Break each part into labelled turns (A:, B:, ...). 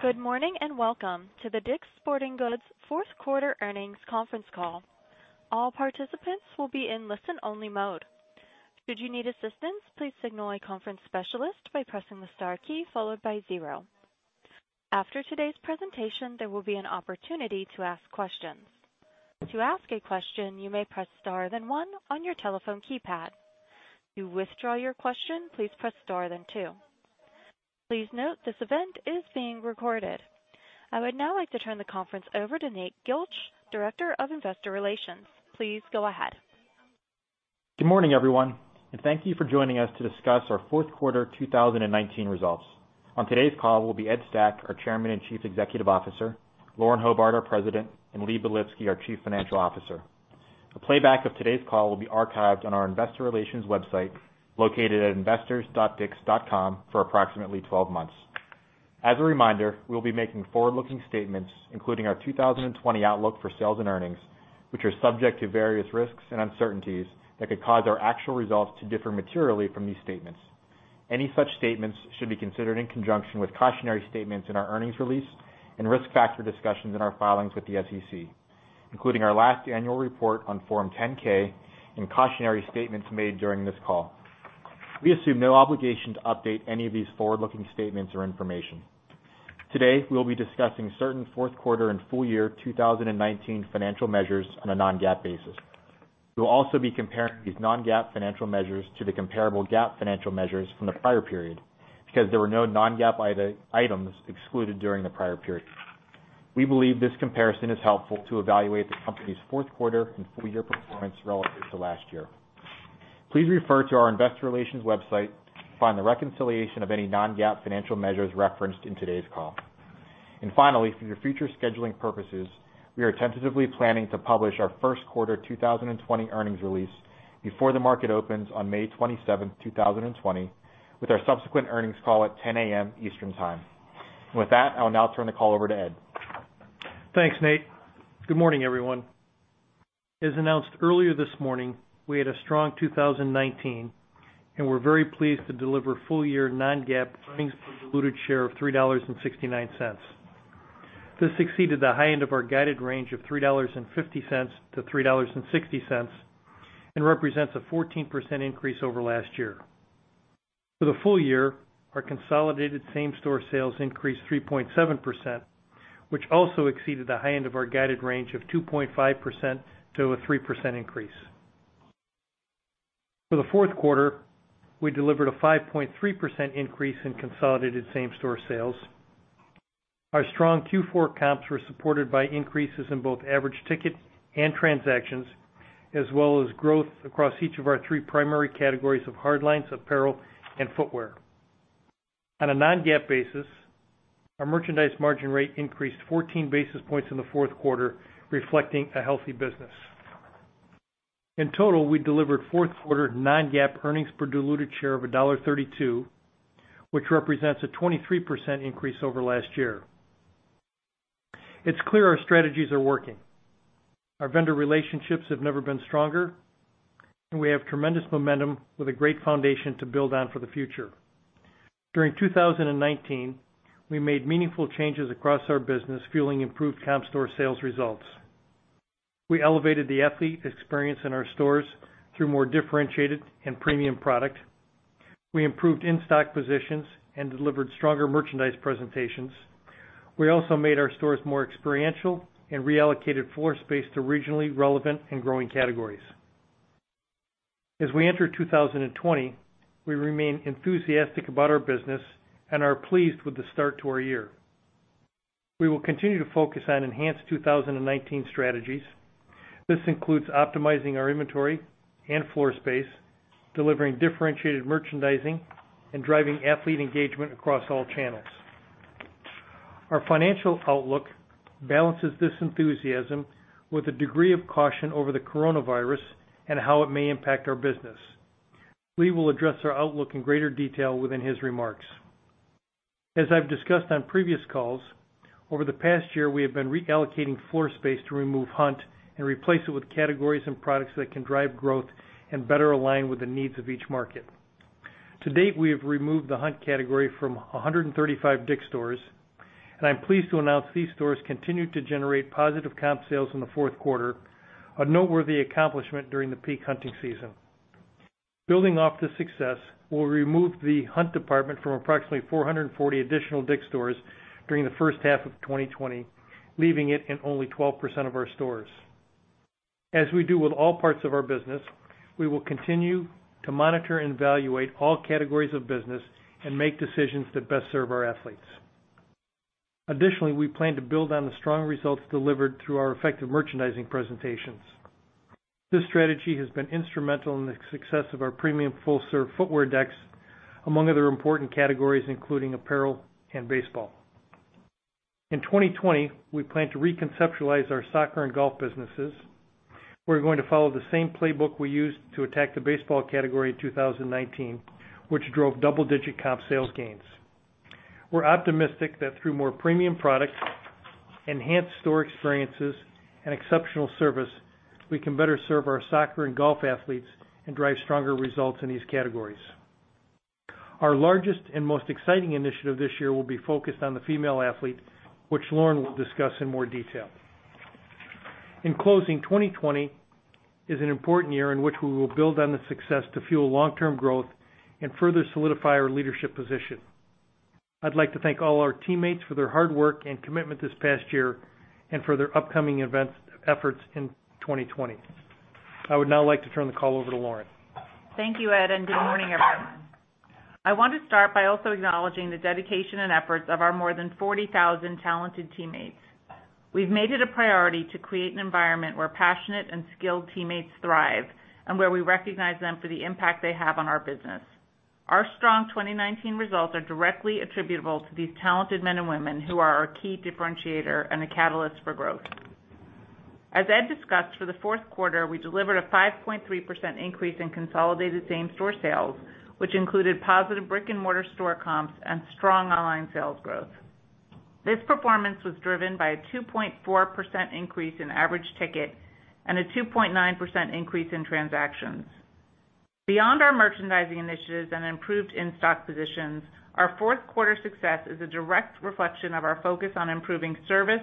A: Good morning, and welcome to the DICK'S Sporting Goods Fourth Quarter Earnings Conference Call. All participants will be in listen-only mode. Should you need assistance, please signal a conference specialist by pressing the star key followed by zero. After today's presentation, there will be an opportunity to ask questions. To ask a question, you may press star then one on your telephone keypad. To withdraw your question, please press star then two. Please note this event is being recorded. I would now like to turn the conference over to Nate Gilch, Director of Investor Relations. Please go ahead.
B: Good morning, everyone, and thank you for joining us to Discuss our Fourth Quarter 2019 Results. On today's call will be Ed Stack, our Chairman and Chief Executive Officer, Lauren Hobart, our President, and Lee Belitsky, our Chief Financial Officer. A playback of today's call will be archived on our investor relations website, located at investors.dicks.com for approximately 12 months. As a reminder, we'll be making forward-looking statements, including our 2020 outlook for sales and earnings, which are subject to various risks and uncertainties that could cause our actual results to differ materially from these statements. Any such statements should be considered in conjunction with cautionary statements in our earnings release and risk factor discussions in our filings with the SEC, including our last annual report on Form 10-K and cautionary statements made during this call. We assume no obligation to update any of these forward-looking statements or information. Today, we'll be discussing certain fourth quarter and full year 2019 financial measures on a non-GAAP basis. We'll also be comparing these non-GAAP financial measures to the comparable GAAP financial measures from the prior period because there were no non-GAAP items excluded during the prior period. We believe this comparison is helpful to evaluate the company's fourth quarter and full-year performance relative to last year. Please refer to our investor relations website to find the reconciliation of any non-GAAP financial measures referenced in today's call. Finally, for your future scheduling purposes, we are tentatively planning to publish our first quarter 2020 earnings release before the market opens on May 27, 2020, with our subsequent earnings call at 10:00 A.M. Eastern Time. With that, I'll now turn the call over to Ed.
C: Thanks, Nate. Good morning, everyone. As announced earlier this morning, we had a strong 2019, and we're very pleased to deliver full-year non-GAAP earnings per diluted share of $3.69. This exceeded the high end of our guided range of $3.50-$3.60, and represents a 14% increase over last year. For the full year, our consolidated same-store sales increased 3.7%, which also exceeded the high end of our guided range of 2.5%-3% increase. For the fourth quarter, we delivered a 5.3% increase in consolidated same-store sales. Our strong Q4 comps were supported by increases in both average ticket and transactions, as well as growth across each of our three primary categories of hard lines, apparel, and footwear. On a non-GAAP basis, our merchandise margin rate increased 14 basis points in the fourth quarter, reflecting a healthy business. In total, we delivered fourth quarter non-GAAP earnings per diluted share of $1.32, which represents a 23% increase over last year. It's clear our strategies are working. Our vendor relationships have never been stronger, and we have tremendous momentum with a great foundation to build on for the future. During 2019, we made meaningful changes across our business, fueling improved comp store sales results. We elevated the athlete experience in our stores through more differentiated and premium product. We improved in-stock positions and delivered stronger merchandise presentations. We also made our stores more experiential and reallocated floor space to regionally relevant and growing categories. As we enter 2020, we remain enthusiastic about our business and are pleased with the start to our year. We will continue to focus on enhanced 2019 strategies. This includes optimizing our inventory and floor space, delivering differentiated merchandising, and driving athlete engagement across all channels. Our financial outlook balances this enthusiasm with a degree of caution over the coronavirus and how it may impact our business. Lee will address our outlook in greater detail within his remarks. As I've discussed on previous calls, over the past year, we have been reallocating floor space to remove hunt and replace it with categories and products that can drive growth and better align with the needs of each market. To date, we have removed the hunt category from 135 DICK'S stores, and I'm pleased to announce these stores continued to generate positive comp sales in the fourth quarter, a noteworthy accomplishment during the peak hunting season. Building off this success, we'll remove the hunt department from approximately 440 additional DICK'S stores during the first half of 2020, leaving it in only 12% of our stores. As we do with all parts of our business, we will continue to monitor and evaluate all categories of business and make decisions that best serve our athletes. Additionally, we plan to build on the strong results delivered through our effective merchandising presentations. This strategy has been instrumental in the success of our premium full-service footwear decks, among other important categories, including apparel and baseball. In 2020, we plan to reconceptualize our soccer and golf businesses. We're going to follow the same playbook we used to attack the baseball category in 2019, which drove double-digit comp sales gains. We're optimistic that through more premium products, enhanced store experiences and exceptional service, we can better serve our soccer and golf athletes and drive stronger results in these categories. Our largest and most exciting initiative this year will be focused on the female athlete, which Lauren will discuss in more detail. In closing, 2020 is an important year in which we will build on the success to fuel long-term growth and further solidify our leadership position. I'd like to thank all our teammates for their hard work and commitment this past year and for their upcoming efforts in 2020. I would now like to turn the call over to Lauren.
D: Thank you, Ed, and good morning, everyone. I want to start by also acknowledging the dedication and efforts of our more than 40,000 talented teammates. We've made it a priority to create an environment where passionate and skilled teammates thrive and where we recognize them for the impact they have on our business. Our strong 2019 results are directly attributable to these talented men and women who are our key differentiator and a catalyst for growth. As Ed discussed, for the fourth quarter, we delivered a 5.3% increase in consolidated same-store sales, which included positive brick-and-mortar store comps and strong online sales growth. This performance was driven by a 2.4% increase in average ticket and a 2.9% increase in transactions. Beyond our merchandising initiatives and improved in-stock positions, our fourth quarter success is a direct reflection of our focus on improving service,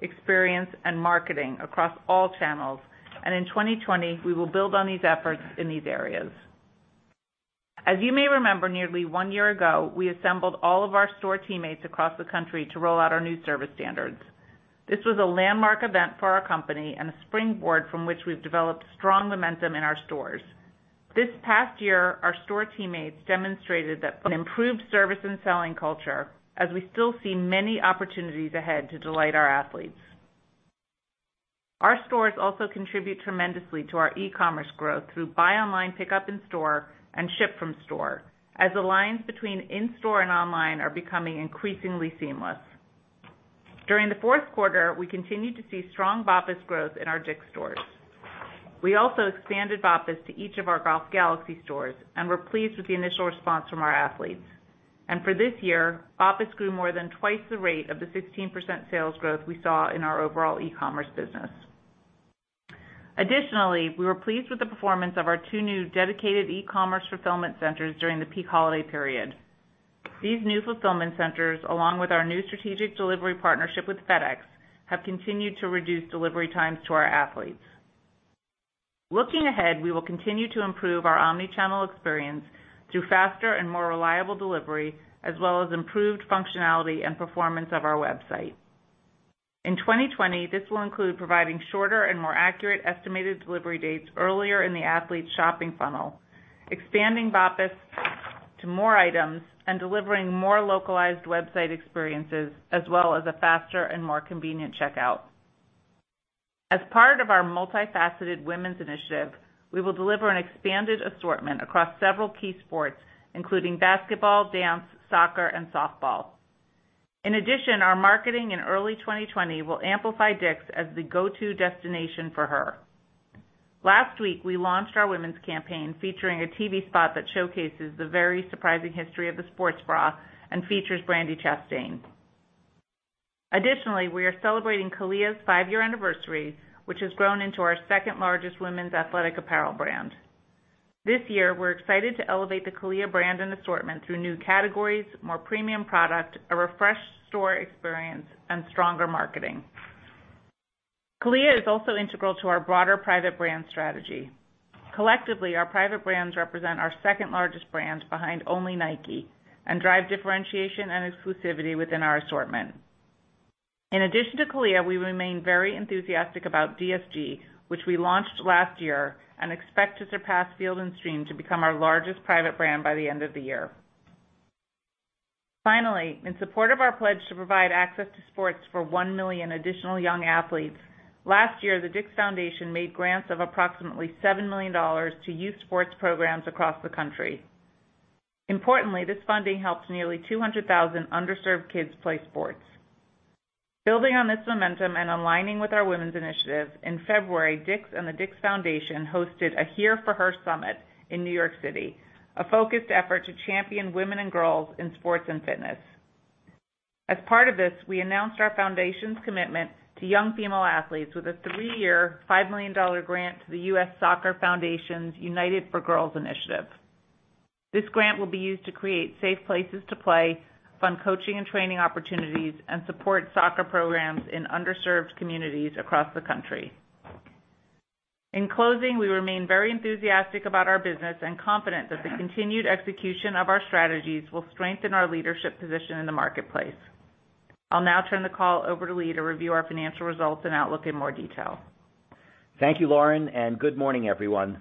D: experience, and marketing across all channels. In 2020, we will build on these efforts in these areas. As you may remember, nearly one year ago, we assembled all of our store teammates across the country to roll out our new service standards. This was a landmark event for our company and a springboard from which we've developed strong momentum in our stores. This past year, our store teammates demonstrated that an improved service and selling culture, as we still see many opportunities ahead to delight our athletes. Our stores also contribute tremendously to our e-commerce growth through buy online, pickup in store, and ship from store, as the lines between in-store and online are becoming increasingly seamless. During the fourth quarter, we continued to see strong BOPUS growth in our DICK'S stores. We also expanded BOPUS to each of our Golf Galaxy stores and were pleased with the initial response from our athletes. For this year, BOPUS grew more than twice the rate of the 16% sales growth we saw in our overall e-commerce business. Additionally, we were pleased with the performance of our two new dedicated e-commerce fulfillment centers during the peak holiday period. These new fulfillment centers, along with our new strategic delivery partnership with FedEx, have continued to reduce delivery times to our athletes. Looking ahead, we will continue to improve our omni-channel experience through faster and more reliable delivery, as well as improved functionality and performance of our website. In 2020, this will include providing shorter and more accurate estimated delivery dates earlier in the athlete's shopping funnel, expanding BOPUS to more items, and delivering more localized website experiences, as well as a faster and more convenient checkout. As part of our multifaceted women's initiative, we will deliver an expanded assortment across several key sports, including basketball, dance, soccer, and softball. Our marketing in early 2020 will amplify DICK'S as the go-to destination for her. Last week, we launched our women's campaign, featuring a TV spot that showcases the very surprising history of the sports bra and features Brandi Chastain. We are celebrating CALIA's five-year anniversary, which has grown into our second-largest women's athletic apparel brand. This year, we're excited to elevate the CALIA brand and assortment through new categories, more premium product, a refreshed store experience, and stronger marketing. CALIA is also integral to our broader private brand strategy. Collectively, our private brands represent our second-largest brand behind only Nike and drive differentiation and exclusivity within our assortment. In addition to CALIA, we remain very enthusiastic about DSG, which we launched last year and expect to surpass Field & Stream to become our largest private brand by the end of the year. Finally, in support of our pledge to provide access to sports for one million additional young athletes, last year, the DICK'S Foundation made grants of approximately $7 million to youth sports programs across the country. Importantly, this funding helps nearly 200,000 underserved kids play sports. Building on this momentum and aligning with our women's initiative, in February, DICK'S and the DICK'S Foundation hosted a Here for Her summit in New York City, a focused effort to champion women and girls in sports and fitness. As part of this, we announced our foundation's commitment to young female athletes with a three-year, $5 million grant to the U.S. Soccer Foundation's United for Girls initiative. This grant will be used to create safe places to play, fund coaching and training opportunities, and support soccer programs in underserved communities across the country. In closing, we remain very enthusiastic about our business and confident that the continued execution of our strategies will strengthen our leadership position in the marketplace. I'll now turn the call over to Lee to review our financial results and outlook in more detail.
E: Thank you, Lauren, and good morning, everyone.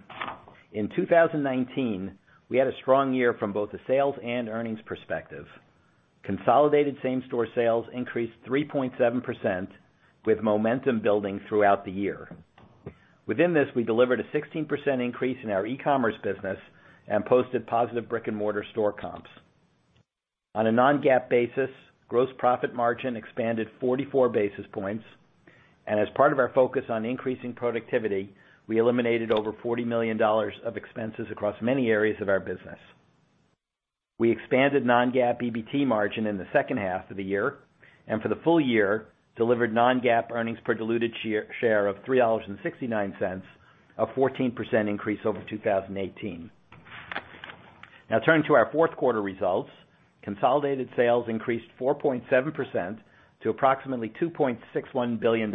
E: In 2019, we had a strong year from both a sales and earnings perspective. Consolidated same-store sales increased 3.7% with momentum building throughout the year. Within this, we delivered a 16% increase in our e-commerce business and posted positive brick-and-mortar store comps. On a non-GAAP basis, gross profit margin expanded 44 basis points, and as part of our focus on increasing productivity, we eliminated over $40 million of expenses across many areas of our business. We expanded non-GAAP EBT margin in the second half of the year and for the full year delivered non-GAAP earnings per diluted share of $3.69, a 14% increase over 2018. Turning to our fourth quarter results, consolidated sales increased 4.7% to approximately $2.61 billion.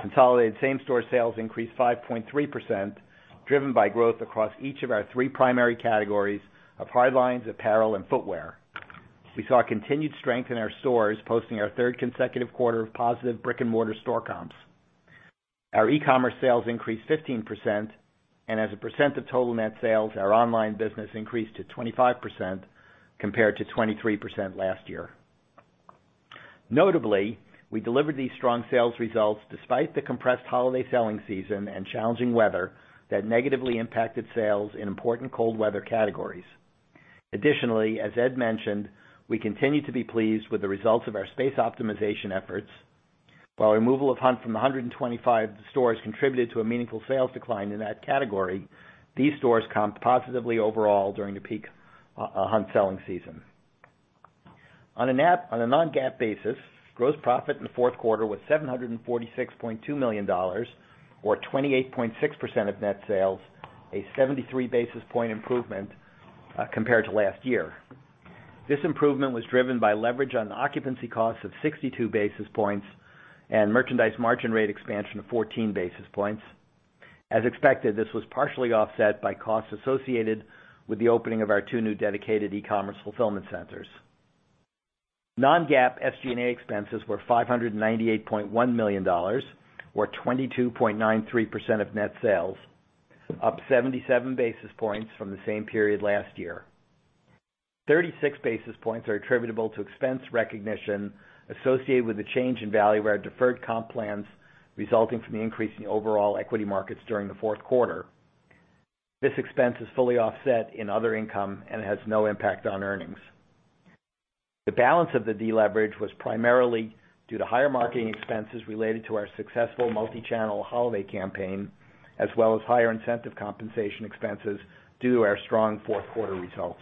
E: Consolidated same-store sales increased 5.3%, driven by growth across each of our three primary categories of hard lines, apparel, and footwear. We saw continued strength in our stores, posting our third consecutive quarter of positive brick-and-mortar store comps. Our e-commerce sales increased 15%, and as a percent of total net sales, our online business increased to 25%, compared to 23% last year. Notably, we delivered these strong sales results despite the compressed holiday selling season and challenging weather that negatively impacted sales in important cold weather categories. Additionally, as Ed mentioned, we continue to be pleased with the results of our space optimization efforts. While removal of Hunt from 125 stores contributed to a meaningful sales decline in that category, these stores comped positively overall during the peak Hunt selling season. On a non-GAAP basis, gross profit in the fourth quarter was $746.2 million or 28.6% of net sales, a 73 basis point improvement compared to last year. This improvement was driven by leverage on occupancy costs of 62 basis points and merchandise margin rate expansion of 14 basis points. As expected, this was partially offset by costs associated with the opening of our two new dedicated e-commerce fulfillment centers. Non-GAAP SG&A expenses were $598.1 million, or 22.93% of net sales, up 77 basis points from the same period last year. 36 basis points are attributable to expense recognition associated with the change in value of our deferred comp plans resulting from the increase in the overall equity markets during the fourth quarter. This expense is fully offset in other income and has no impact on earnings. The balance of the deleverage was primarily due to higher marketing expenses related to our successful multi-channel holiday campaign, as well as higher incentive compensation expenses due to our strong fourth quarter results.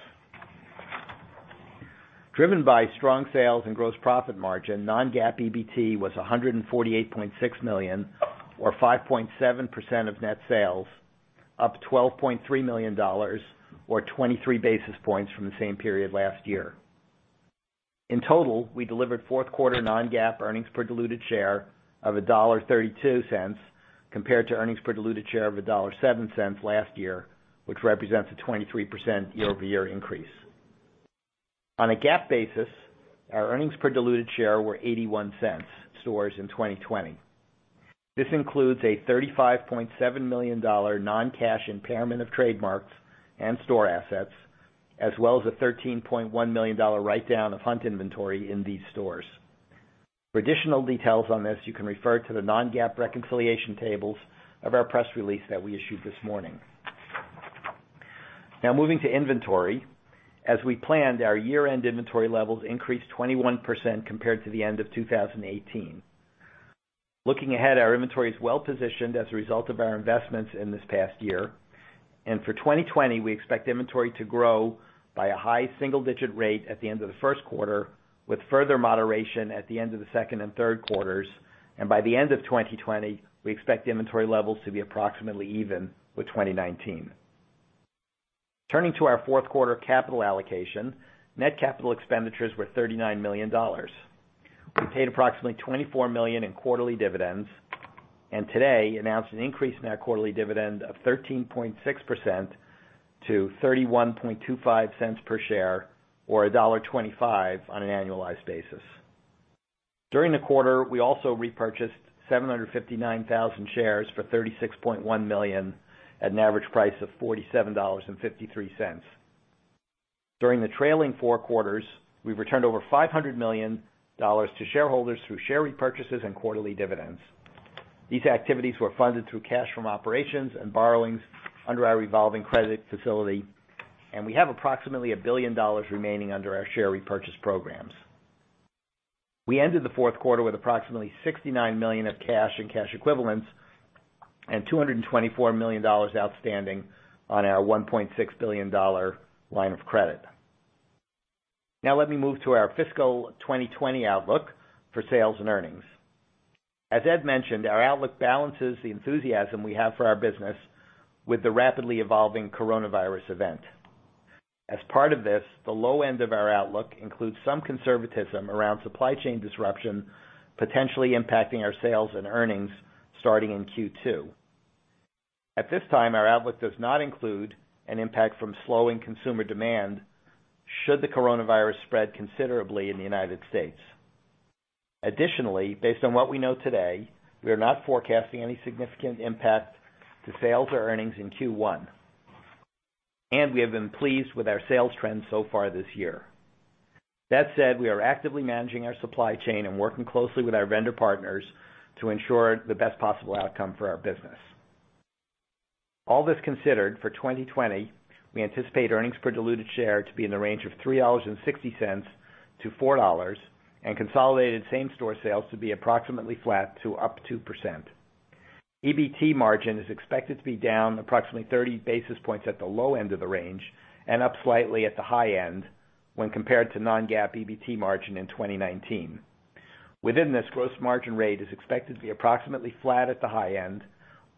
E: Driven by strong sales and gross profit margin, non-GAAP EBT was $148.6 million, or 5.7% of net sales, up $12.3 million, or 23 basis points from the same period last year. In total, we delivered fourth quarter non-GAAP earnings per diluted share of $1.32 compared to earnings per diluted share of $1.07 last year, which represents a 23% year-over-year increase. On a GAAP basis, our earnings per diluted share were $0.81. Stores in 2020. This includes a $35.7 million non-cash impairment of trademarks and store assets, as well as a $13.1 million write-down of Hunt inventory in these stores. For additional details on this, you can refer to the non-GAAP reconciliation tables of our press release that we issued this morning. Moving to inventory. As we planned, our year-end inventory levels increased 21% compared to the end of 2018. Looking ahead, our inventory is well positioned as a result of our investments in this past year. For 2020, we expect inventory to grow by a high single-digit rate at the end of the first quarter, with further moderation at the end of the second and third quarters. By the end of 2020, we expect inventory levels to be approximately even with 2019. Turning to our fourth quarter capital allocation, net capital expenditures were $39 million. We paid approximately $24 million in quarterly dividends, and today announced an increase in our quarterly dividend of 13.6% to $0.3125 per share or $1.25 on an annualized basis. During the quarter, we also repurchased 759,000 shares for $36.1 million at an average price of $47.53. During the trailing four quarters, we've returned over $500 million to shareholders through share repurchases and quarterly dividends. These activities were funded through cash from operations and borrowings under our revolving credit facility, and we have approximately $1 billion remaining under our share repurchase programs. We ended the fourth quarter with approximately $69 million of cash and cash equivalents and $224 million outstanding on our $1.6 billion line of credit. Now let me move to our fiscal 2020 outlook for sales and earnings. As Ed mentioned, our outlook balances the enthusiasm we have for our business with the rapidly evolving coronavirus event. As part of this, the low end of our outlook includes some conservatism around supply chain disruption, potentially impacting our sales and earnings starting in Q2. At this time, our outlook does not include an impact from slowing consumer demand should the coronavirus spread considerably in the U.S. Additionally, based on what we know today, we are not forecasting any significant impact to sales or earnings in Q1. We have been pleased with our sales trends so far this year. That said, we are actively managing our supply chain and working closely with our vendor partners to ensure the best possible outcome for our business. All this considered, for 2020, we anticipate earnings per diluted share to be in the range of $3.60-$4, and consolidated same-store sales to be approximately flat to up 2%. EBT margin is expected to be down approximately 30 basis points at the low end of the range and up slightly at the high end when compared to non-GAAP EBT margin in 2019. Within this, gross margin rate is expected to be approximately flat at the high end,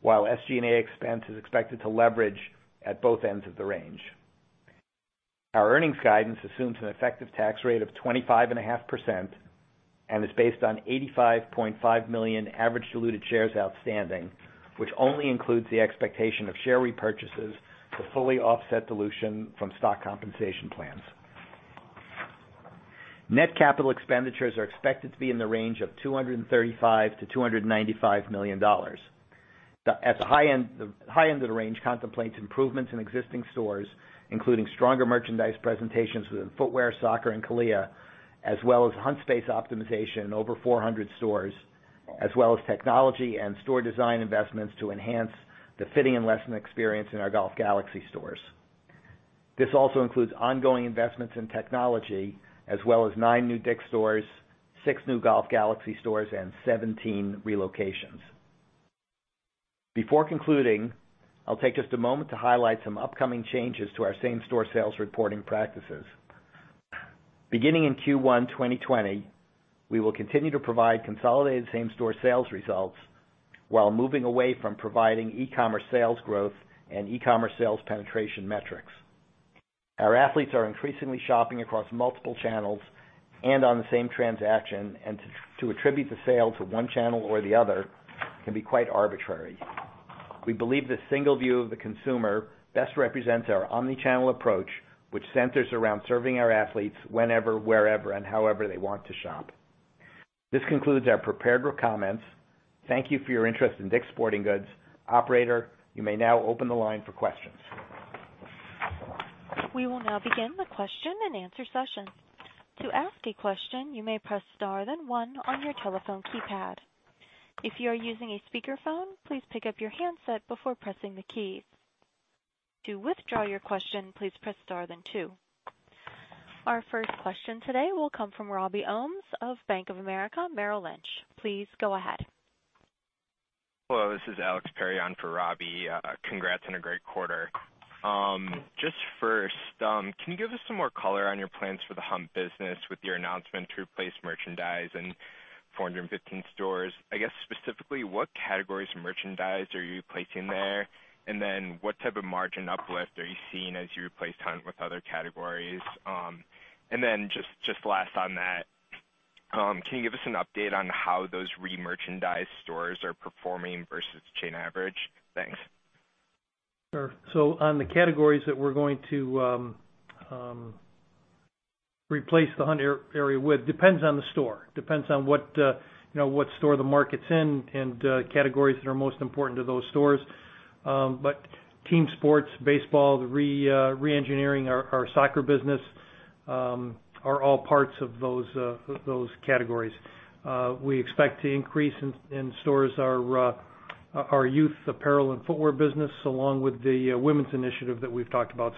E: while SG&A expense is expected to leverage at both ends of the range. Our earnings guidance assumes an effective tax rate of 25.5% and is based on 85.5 million average diluted shares outstanding, which only includes the expectation of share repurchases to fully offset dilution from stock compensation plans. Net capital expenditures are expected to be in the range of $235 million-$295 million. The high end of the range contemplates improvements in existing stores, including stronger merchandise presentations within footwear, soccer, and CALIA, as well as Hunt space optimization in over 400 stores, as well as technology and store design investments to enhance the fitting and lesson experience in our Golf Galaxy stores. This also includes ongoing investments in technology, as well as nine new DICK'S stores, six new Golf Galaxy stores, and 17 relocations. Before concluding, I'll take just a moment to highlight some upcoming changes to our same-store sales reporting practices. Beginning in Q1 2020, we will continue to provide consolidated same-store sales results while moving away from providing e-commerce sales growth and e-commerce sales penetration metrics. Our athletes are increasingly shopping across multiple channels and on the same transaction, and to attribute the sale to one channel or the other can be quite arbitrary. We believe the single view of the consumer best represents our omni-channel approach, which centers around serving our athletes whenever, wherever, and however they want to shop. This concludes our prepared comments. Thank you for your interest in DICK'S Sporting Goods. Operator, you may now open the line for questions.
A: We will now begin the question and answer session. To ask a question, you may press star then one on your telephone keypad. If you are using a speakerphone, please pick up your handset before pressing the keys. To withdraw your question, please press star then two. Our first question today will come from Robbie Ohmes of Bank of America Merrill Lynch. Please go ahead.
F: Hello, this is Alex Perry for Robbie. Congrats on a great quarter. First, can you give us some more color on your plans for the Hunt business with your announcement to replace merchandise in 415 stores? I guess specifically, what categories of merchandise are you placing there, what type of margin uplift are you seeing as you replace Hunt with other categories? Just last on that, can you give us an update on how those re-merchandised stores are performing versus chain average? Thanks.
C: Sure. On the categories that we're going to replace the Hunt area with, depends on the store. Depends on what store the market's in and categories that are most important to those stores. Team sports, baseball, re-engineering our soccer business are all parts of those categories. We expect to increase in stores our youth apparel and footwear business, along with the women's initiative that we've talked about.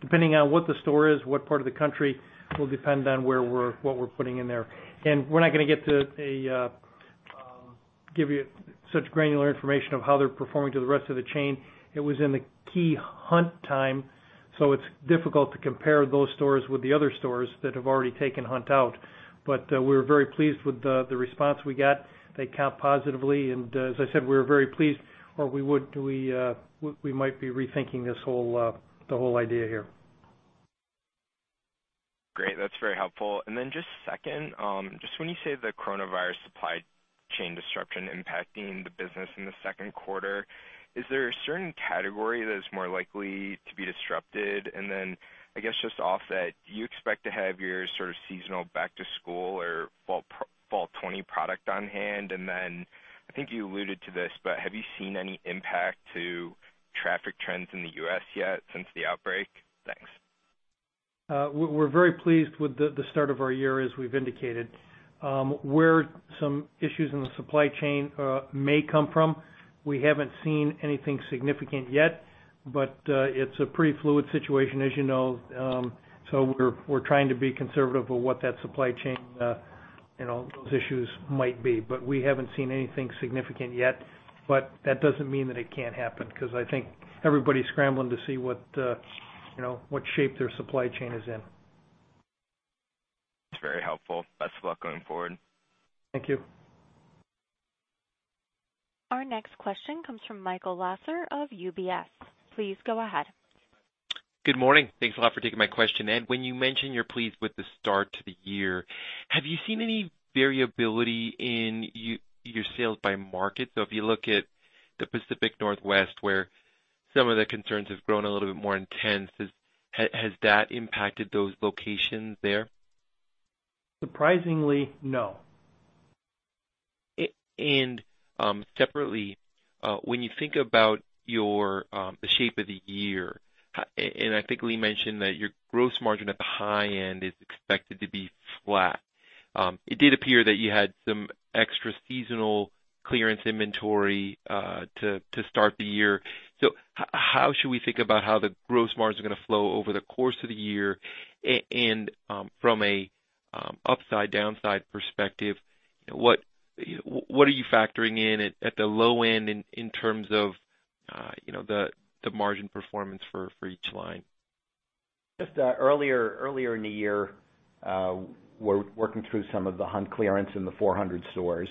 C: Depending on what the store is, what part of the country, will depend on what we're putting in there. We're not going to give you such granular information of how they're performing to the rest of the chain. It was in the key Hunt time, so it's difficult to compare those stores with the other stores that have already taken Hunt out. We're very pleased with the response we got. They count positively and, as I said, we're very pleased or we might be rethinking the whole idea here.
F: Great. That's very helpful. Just second, just when you say the coronavirus supply chain disruption impacting the business in the second quarter, is there a certain category that is more likely to be disrupted? I guess just off that, do you expect to have your sort of seasonal back to school or fall 2020 product on hand? I think you alluded to this, but have you seen any impact to traffic trends in the U.S. yet since the outbreak? Thanks.
C: We're very pleased with the start of our year, as we've indicated. Where some issues in the supply chain may come from, we haven't seen anything significant yet, but it's a pretty fluid situation, as you know. We're trying to be conservative of what that supply chain, those issues might be. We haven't seen anything significant yet, but that doesn't mean that it can't happen, because I think everybody's scrambling to see what shape their supply chain is in.
F: That's very helpful. Best of luck going forward.
C: Thank you.
A: Our next question comes from Michael Lasser of UBS. Please go ahead.
G: Good morning. Thanks a lot for taking my question. Ed, when you mention you're pleased with the start to the year, have you seen any variability in your sales by market? If you look at the Pacific Northwest, where some of the concerns have grown a little bit more intense, has that impacted those locations there?
C: Surprisingly, no.
G: Separately, when you think about the shape of the year, and I think Lee mentioned that your gross margin at the high end is expected to be flat. It did appear that you had some extra seasonal clearance inventory to start the year. How should we think about how the gross margins are going to flow over the course of the year and from a upside downside perspective. What are you factoring in at the low end in terms of the margin performance for each line?
E: Just earlier in the year, we're working through some of the hunt clearance in the 400 stores.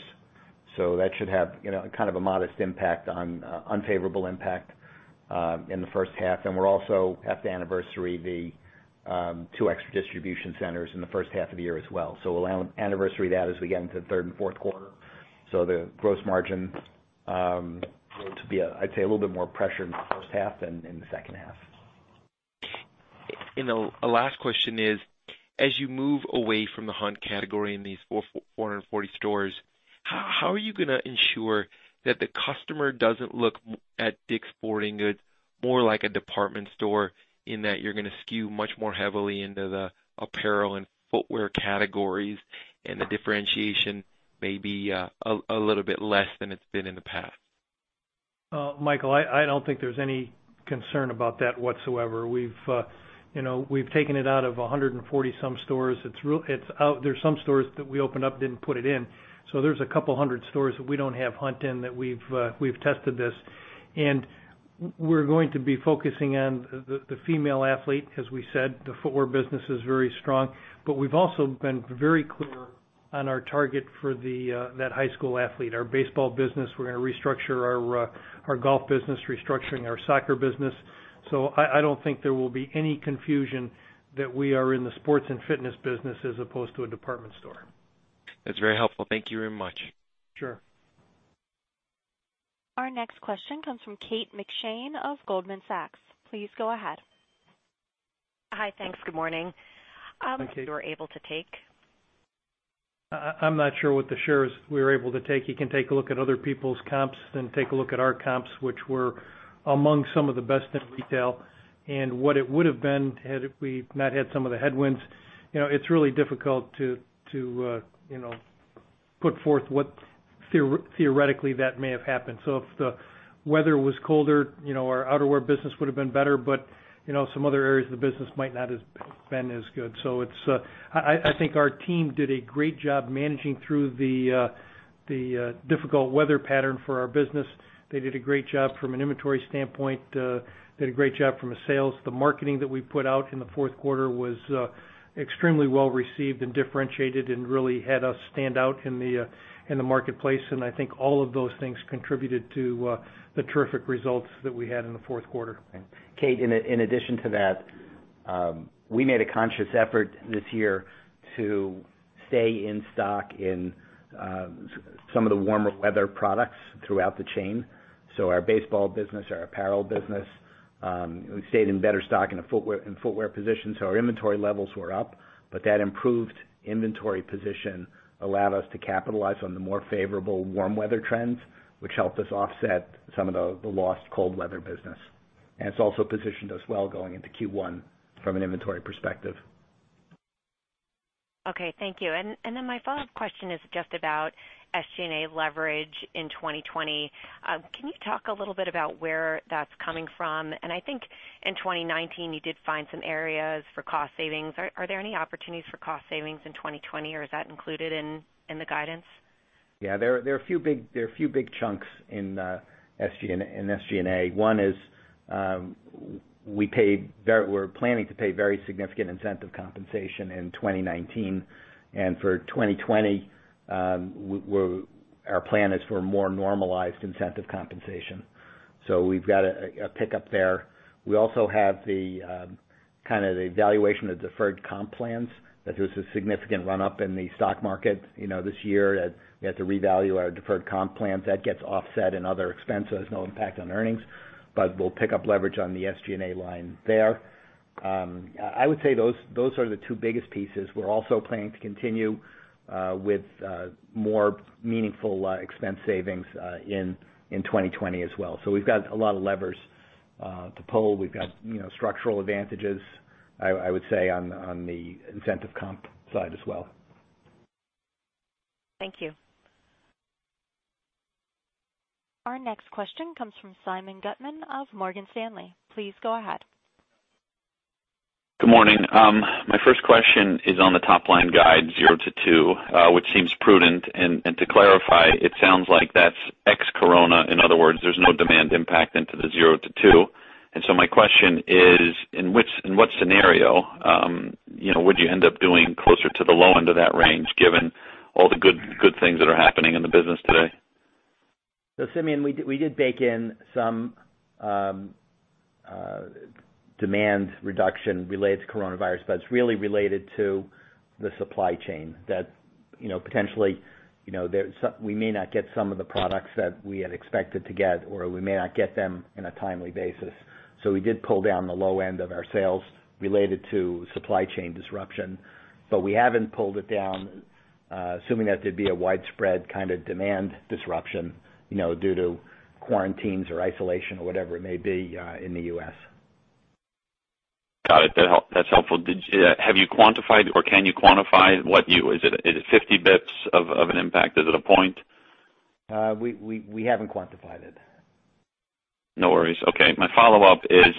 E: That should have kind of a modest impact on unfavorable impact in the first half. We're also have to anniversary the two extra distribution centers in the first half of the year as well. We'll anniversary that as we get into third and fourth quarter. The gross margin will be, I'd say, a little bit more pressure in the first half than in the second half.
G: The last question is, as you move away from the hunt category in these 440 stores, how are you going to ensure that the customer doesn't look at DICK'S Sporting Goods more like a department store in that you're going to skew much more heavily into the apparel and footwear categories and the differentiation may be a little bit less than it's been in the past?
C: Michael, I don't think there's any concern about that whatsoever. We've taken it out of 140 some stores. There's some stores that we opened up, didn't put it in. There's 200 stores that we don't have hunt in that we've tested this, and we're going to be focusing on the female athlete. As we said, the footwear business is very strong, but we've also been very clear on our target for that high school athlete, our baseball business. We're going to restructure our golf business, restructuring our soccer business. I don't think there will be any confusion that we are in the sports and fitness business as opposed to a department store.
G: That's very helpful. Thank you very much.
C: Sure.
A: Our next question comes from Kate McShane of Goldman Sachs. Please go ahead.
H: Hi. Thanks. Good morning.
C: Hi, Kate.
H: You were able to take.
C: I'm not sure what the shares we were able to take. You can take a look at other people's comps, then take a look at our comps, which were among some of the best in retail and what it would have been had we not had some of the headwinds. It's really difficult to put forth what theoretically that may have happened. If the weather was colder, our outerwear business would have been better, but some other areas of the business might not have been as good. I think our team did a great job managing through the difficult weather pattern for our business. They did a great job from an inventory standpoint. Did a great job from a sales. The marketing that we put out in the fourth quarter was extremely well received and differentiated and really had us stand out in the marketplace, and I think all of those things contributed to the terrific results that we had in the fourth quarter.
E: Kate, in addition to that, we made a conscious effort this year to stay in stock in some of the warmer weather products throughout the chain. Our baseball business, our apparel business, we stayed in better stock in a footwear position. Our inventory levels were up, but that improved inventory position allowed us to capitalize on the more favorable warm weather trends, which helped us offset some of the lost cold weather business. It's also positioned us well going into Q1 from an inventory perspective.
H: Okay, thank you. My follow-up question is just about SG&A leverage in 2020. Can you talk a little bit about where that's coming from? I think in 2019 you did find some areas for cost savings. Are there any opportunities for cost savings in 2020 or is that included in the guidance?
E: Yeah, there are a few big chunks in SG&A. One is, we're planning to pay very significant incentive compensation in 2019, for 2020, our plan is for more normalized incentive compensation. We've got a pickup there. We also have the kind of the valuation of deferred comp plans, that there was a significant run-up in the stock market this year. We had to revalue our deferred comp plans. That gets offset in other expenses, no impact on earnings, but we'll pick up leverage on the SG&A line there. I would say those are the two biggest pieces. We're also planning to continue with more meaningful expense savings in 2020 as well. We've got a lot of levers to pull. We've got structural advantages, I would say, on the incentive comp side as well.
H: Thank you.
A: Our next question comes from Simeon Gutman of Morgan Stanley. Please go ahead.
I: Good morning. My first question is on the top line guide 0%-2%, which seems prudent. To clarify, it sounds like that's ex-corona. In other words, there's no demand impact into the 0%-2%. My question is, in what scenario would you end up doing closer to the low end of that range, given all the good things that are happening in the business today?
E: Simeon, we did bake in some demand reduction related to coronavirus, but it's really related to the supply chain that potentially we may not get some of the products that we had expected to get, or we may not get them in a timely basis. We did pull down the low end of our sales related to supply chain disruption, but we haven't pulled it down assuming that there'd be a widespread kind of demand disruption due to quarantines or isolation or whatever it may be in the U.S.
I: Got it. That's helpful. Have you quantified or can you quantify what you-- is it 50 basis points of an impact? Is it a point?
E: We haven't quantified it.
I: No worries. Okay. My follow-up is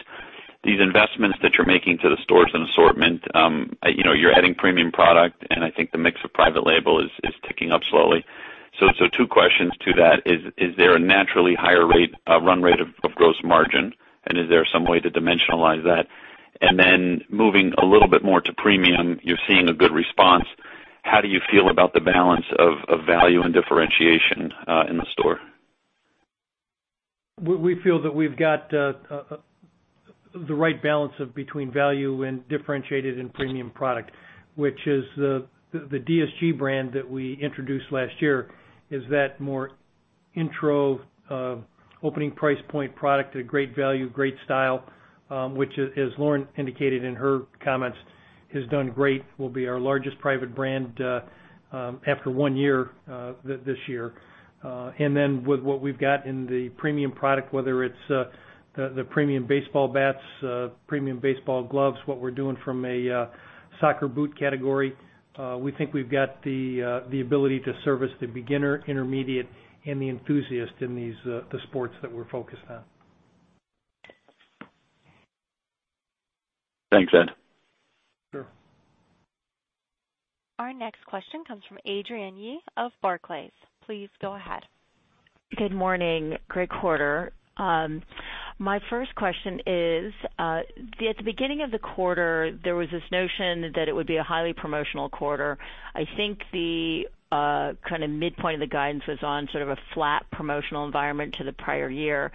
I: these investments that you're making to the stores and assortment, you're adding premium product, and I think the mix of private label is ticking up slowly. Two questions to that, is there a naturally higher run rate of gross margin? Is there some way to dimensionalize that? Moving a little bit more to premium, you're seeing a good response. How do you feel about the balance of value and differentiation in the store?
C: We feel that we've got the right balance between value and differentiated and premium product, which is the DSG brand that we introduced last year, is that more intro opening price point product at a great value, great style, which as Lauren indicated in her comments, has done great and will be our largest private brand after one year this year. With what we've got in the premium product, whether it's the premium baseball bats, premium baseball gloves, what we're doing from a soccer boot category, we think we've got the ability to service the beginner, intermediate, and the enthusiast in the sports that we're focused on.
I: Thanks, Ed.
C: Sure.
A: Our next question comes from Adrienne Yih of Barclays. Please go ahead.
J: Good morning. Great quarter. My first question is, at the beginning of the quarter, there was this notion that it would be a highly promotional quarter. I think the midpoint of the guidance was on sort of a flat promotional environment to the prior year.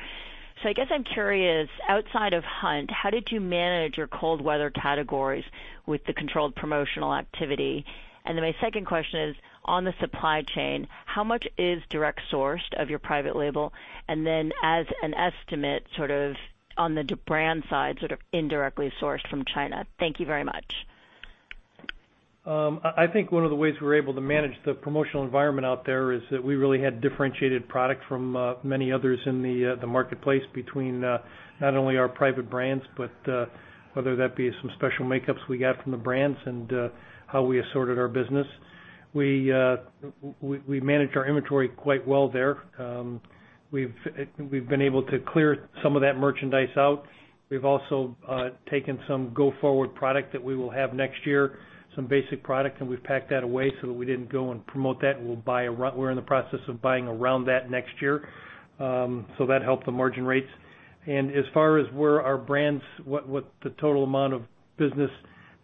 J: I guess I'm curious, outside of Hunt, how did you manage your cold weather categories with the controlled promotional activity? My second question is on the supply chain, how much is direct sourced of your private label? As an estimate sort of on the brand side, sort of indirectly sourced from China. Thank you very much.
C: I think one of the ways we were able to manage the promotional environment out there is that we really had differentiated product from many others in the marketplace between not only our private brands, but whether that be some special makeups we got from the brands and how we assorted our business. We managed our inventory quite well there. We've been able to clear some of that merchandise out. We've also taken some go forward product that we will have next year, some basic product, and we've packed that away so that we didn't go and promote that. We're in the process of buying around that next year. That helped the margin rates. As far as where our brands, what the total amount of business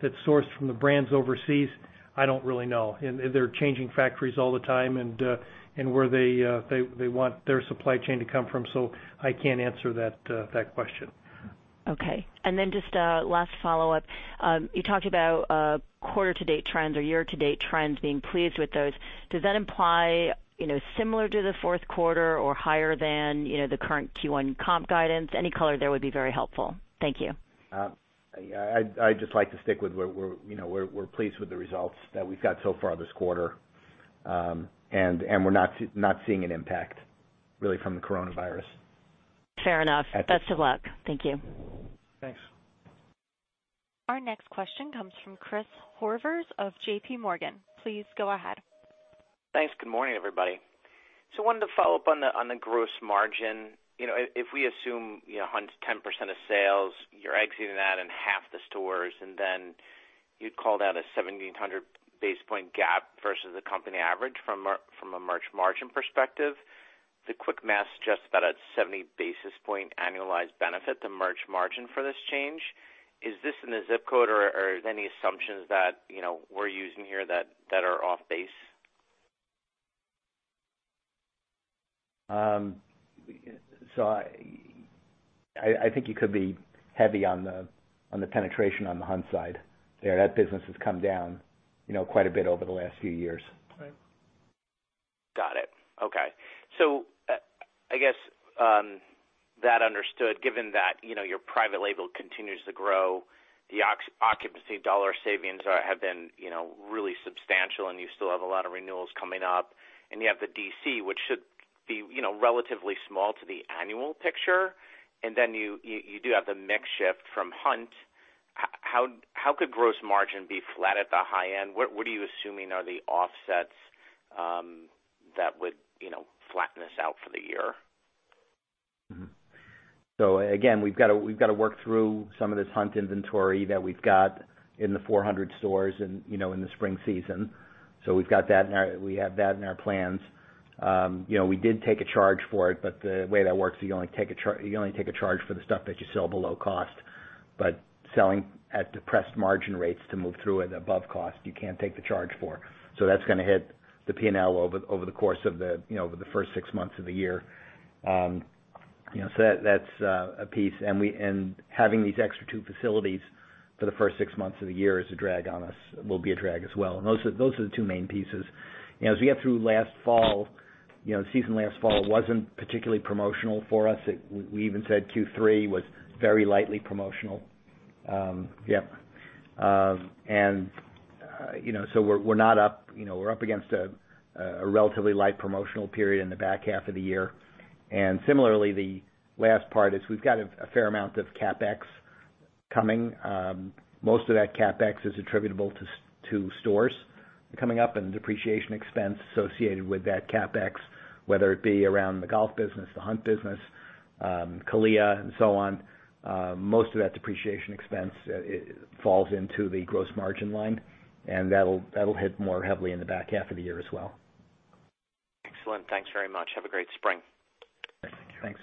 C: that's sourced from the brands overseas, I don't really know. They're changing factories all the time and where they want their supply chain to come from. I can't answer that question.
J: Okay. Just a last follow-up. You talked about quarter to date trends or year to date trends, being pleased with those. Does that imply similar to the fourth quarter or higher than the current Q1 comp guidance? Any color there would be very helpful. Thank you.
E: Yeah. I'd just like to stick with we're pleased with the results that we've got so far this quarter. We're not seeing an impact really from the coronavirus.
J: Fair enough. Best of luck. Thank you.
E: Thanks.
A: Our next question comes from Chris Horvers of JPMorgan. Please go ahead.
K: Thanks. Good morning, everybody. Wanted to follow up on the gross margin. If we assume Hunt's 10% of sales, you're exiting that in half the stores, you'd call that a 1,700 basis point gap versus the company average from a merch margin perspective. The quick math suggests about a 70 basis point annualized benefit to merch margin for this change. Is this in the ZIP code or are there any assumptions that we're using here that are off base?
E: I think you could be heavy on the penetration on the Hunt side there. That business has come down quite a bit over the last few years.
C: Right.
K: Got it. Okay. I guess, that understood, given that your private label continues to grow, the occupancy dollar savings have been really substantial, and you still have a lot of renewals coming up, and you have the DC, which should be relatively small to the annual picture. Then you do have the mix shift from Hunt. How could gross margin be flat at the high end? What are you assuming are the offsets that would flatten this out for the year?
E: Again, we've got to work through some of this Hunt inventory that we've got in the 400 stores and in the spring season. We have that in our plans. We did take a charge for it, but the way that works, you only take a charge for the stuff that you sell below cost. Selling at depressed margin rates to move through at above cost, you can't take the charge for. That's going to hit the P&L over the course of the first six months of the year. That's a piece. Having these extra two facilities for the first six months of the year is a drag on us, will be a drag as well. Those are the two main pieces. As we got through last fall, the season last fall wasn't particularly promotional for us. We even said Q3 was very lightly promotional. We're up against a relatively light promotional period in the back half of the year. Similarly, the last part is we've got a fair amount of CapEx. Coming. Most of that CapEx is attributable to stores coming up and depreciation expense associated with that CapEx, whether it be around the golf business, the hunt business, CALIA, and so on. Most of that depreciation expense falls into the gross margin line, that'll hit more heavily in the back half of the year as well.
K: Excellent. Thanks very much. Have a great spring.
E: Thanks.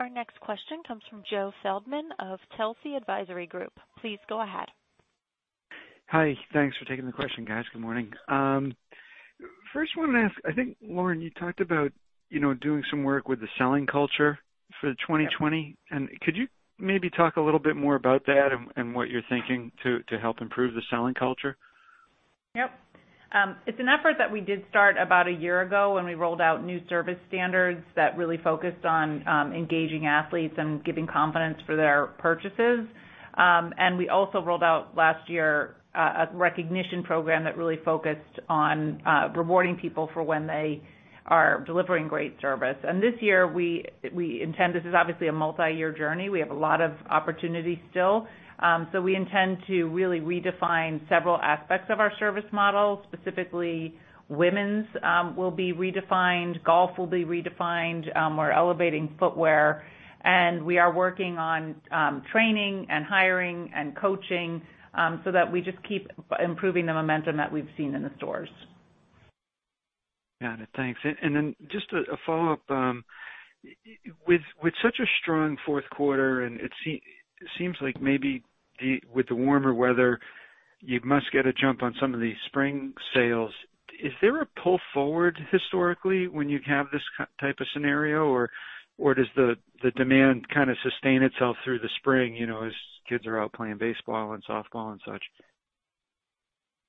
A: Our next question comes from Joe Feldman of Telsey Advisory Group. Please go ahead.
L: Hi. Thanks for taking the question, guys. Good morning. I first want to ask, I think, Lauren, you talked about doing some work with the selling culture for 2020. Could you maybe talk a little bit more about that and what you're thinking to help improve the selling culture?
D: Yep. It's an effort that we did start about one year ago when we rolled out new service standards that really focused on engaging athletes and giving confidence for their purchases. We also rolled out last year a recognition program that really focused on rewarding people for when they are delivering great service. This year, we intend. This is obviously a multi-year journey. We have a lot of opportunities still. We intend to really redefine several aspects of our service model. Specifically, women's will be redefined, golf will be redefined. We're elevating footwear, and we are working on training and hiring and coaching, so that we just keep improving the momentum that we've seen in the stores.
L: Got it. Thanks. Then just a follow-up. With such a strong fourth quarter, and it seems like maybe with the warmer weather, you must get a jump on some of the spring sales. Is there a pull forward historically when you have this type of scenario, or does the demand kind of sustain itself through the spring, as kids are out playing baseball and softball and such?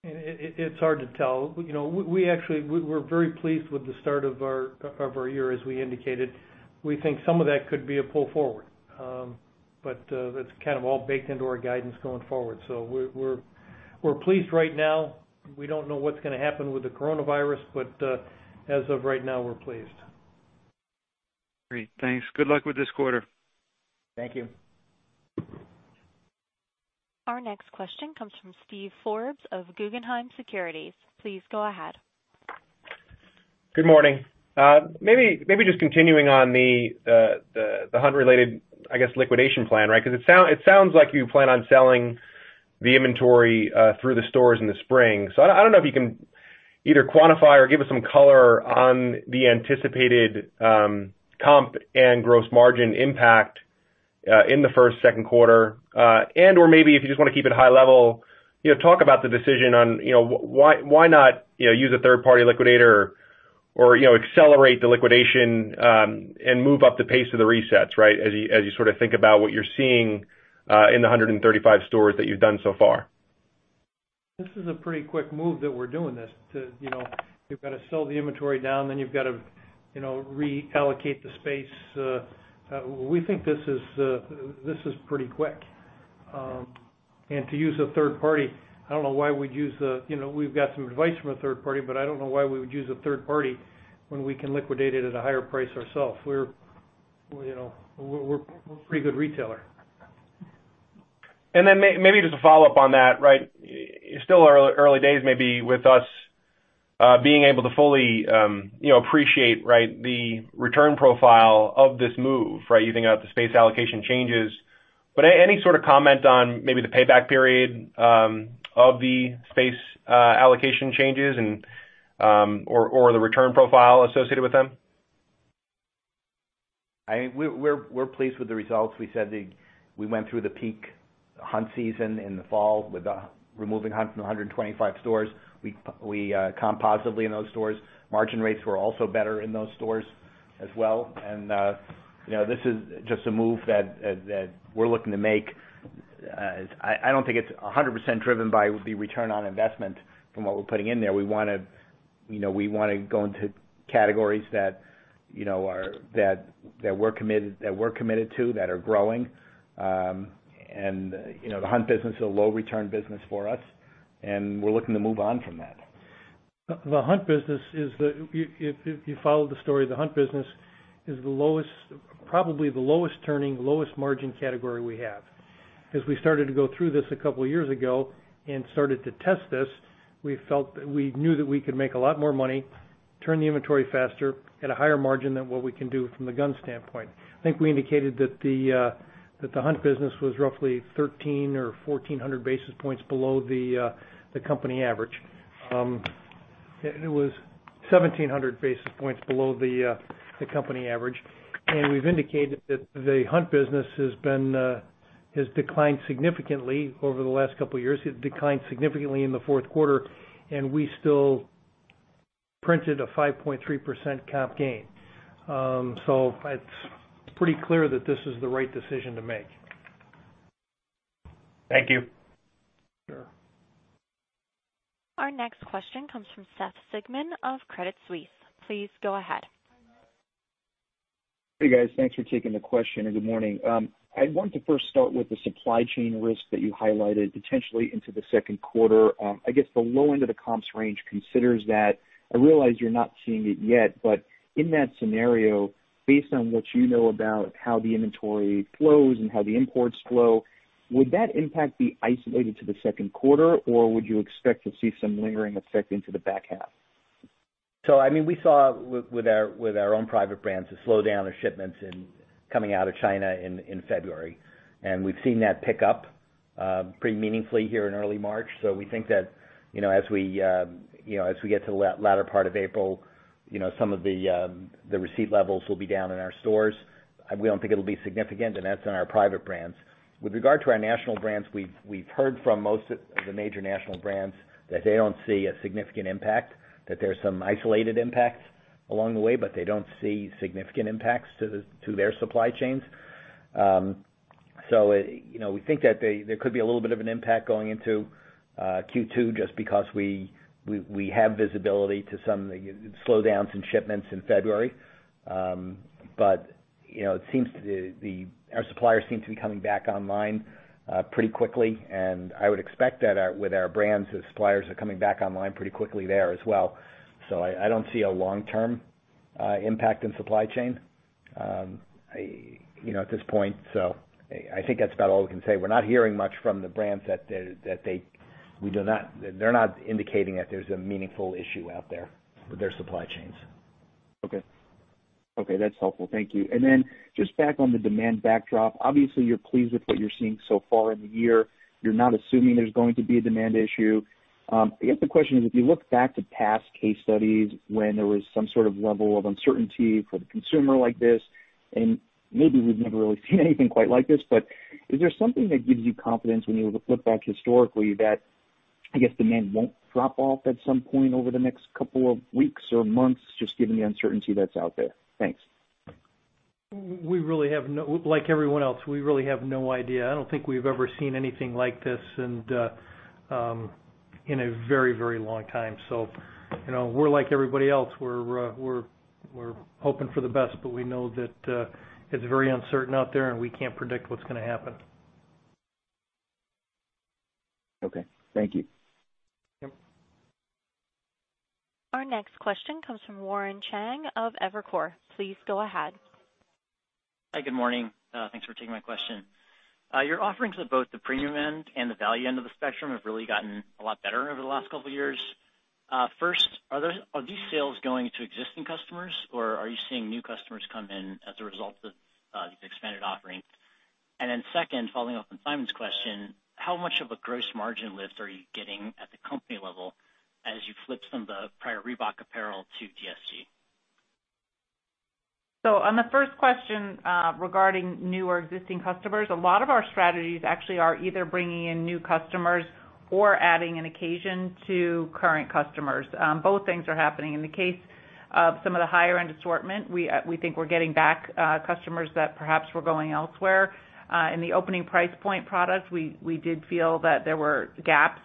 C: It's hard to tell. We're very pleased with the start of our year, as we indicated. We think some of that could be a pull forward. That's kind of all baked into our guidance going forward. We're pleased right now. We don't know what's going to happen with the coronavirus, but as of right now, we're pleased.
L: Great. Thanks. Good luck with this quarter.
C: Thank you.
A: Our next question comes from Steve Forbes of Guggenheim Securities. Please go ahead.
M: Good morning. Maybe just continuing on the hunt-related, I guess, liquidation plan, right? It sounds like you plan on selling the inventory through the stores in the spring. I don't know if you can either quantify or give us some color on the anticipated comp and gross margin impact, in the first, second quarter. Maybe if you just want to keep it high level, talk about the decision on why not use a third-party liquidator or accelerate the liquidation, and move up the pace of the resets, right? As you sort of think about what you're seeing in the 135 stores that you've done so far.
C: This is a pretty quick move that we're doing this. You've got to sell the inventory down, then you've got to reallocate the space. We think this is pretty quick. To use a third party, we've got some advice from a third party, but I don't know why we would use a third party when we can liquidate it at a higher price ourselves. We're a pretty good retailer.
M: Maybe just a follow-up on that, right? Still early days maybe with us being able to fully appreciate, right, the return profile of this move, right, using the space allocation changes. Any sort of comment on maybe the payback period of the space allocation changes and, or the return profile associated with them?
E: I think we're pleased with the results. We said that we went through the peak hunt season in the fall with removing hunt from the 125 stores. We comp positively in those stores. Margin rates were also better in those stores as well. This is just a move that we're looking to make. I don't think it's 100% driven by the return on investment from what we're putting in there. We want to go into categories that we're committed to, that are growing. The hunt business is a low return business for us, and we're looking to move on from that.
C: If you followed the story, the hunt business is probably the lowest turning, lowest margin category we have. As we started to go through this a couple of years ago and started to test this, we knew that we could make a lot more money, turn the inventory faster at a higher margin than what we can do from the gun standpoint. I think we indicated that the hunt business was roughly 1,300 or 1,400 basis points below the company average. It was 1,700 basis points below the company average. We've indicated that the hunt business has declined significantly over the last couple of years. It declined significantly in the fourth quarter, we still printed a 5.3% comp gain. It's pretty clear that this is the right decision to make.
M: Thank you.
C: Sure.
A: Our next question comes from Seth Sigman of Credit Suisse. Please go ahead.
N: Hey guys, thanks for taking the question, and good morning. I want to first start with the supply chain risk that you highlighted potentially into the second quarter. I guess the low end of the comps range considers that. I realize you're not seeing it yet, but in that scenario, based on what you know about how the inventory flows and how the imports flow, would that impact be isolated to the second quarter? Or would you expect to see some lingering effect into the back half?
E: We saw with our own private brands, a slowdown of shipments coming out of China in February, and we've seen that pick up pretty meaningfully here in early March. We think that as we get to the latter part of April, some of the receipt levels will be down in our stores. We don't think it'll be significant, and that's on our private brands. With regard to our national brands, we've heard from most of the major national brands that they don't see a significant impact, that there's some isolated impacts along the way, but they don't see significant impacts to their supply chains. We think that there could be a little bit of an impact going into Q2 just because we have visibility to some of the slowdowns in shipments in February. Our suppliers seem to be coming back online pretty quickly, and I would expect that with our brands, the suppliers are coming back online pretty quickly there as well. I don't see a long-term impact in supply chain at this point. I think that's about all we can say. We're not hearing much from the brands. They're not indicating that there's a meaningful issue out there with their supply chains.
N: Okay. That's helpful. Thank you. Then just back on the demand backdrop, obviously, you're pleased with what you're seeing so far in the year. You're not assuming there's going to be a demand issue. I guess the question is, if you look back to past case studies when there was some sort of level of uncertainty for the consumer like this, and maybe we've never really seen anything quite like this, is there something that gives you confidence when you look back historically that, I guess, demand won't drop off at some point over the next couple of weeks or months, just given the uncertainty that's out there? Thanks.
C: Like everyone else, we really have no idea. I don't think we've ever seen anything like this in a very long time. We're like everybody else. We're hoping for the best, but we know that it's very uncertain out there, and we can't predict what's going to happen.
N: Okay. Thank you.
C: Yep.
A: Our next question comes from Warren Cheng of Evercore. Please go ahead.
O: Hi, good morning. Thanks for taking my question. Your offerings at both the premium end and the value end of the spectrum have really gotten a lot better over the last couple of years. Are these sales going to existing customers, or are you seeing new customers come in as a result of these expanded offerings? Second, following up on Simeon's question, how much of a gross margin lift are you getting at the company level as you flip some of the prior Reebok apparel to DSG?
D: On the first question regarding new or existing customers, a lot of our strategies actually are either bringing in new customers or adding an occasion to current customers. Both things are happening. In the case of some of the higher-end assortment, we think we're getting back customers that perhaps were going elsewhere. In the opening price point products, we did feel that there were gaps.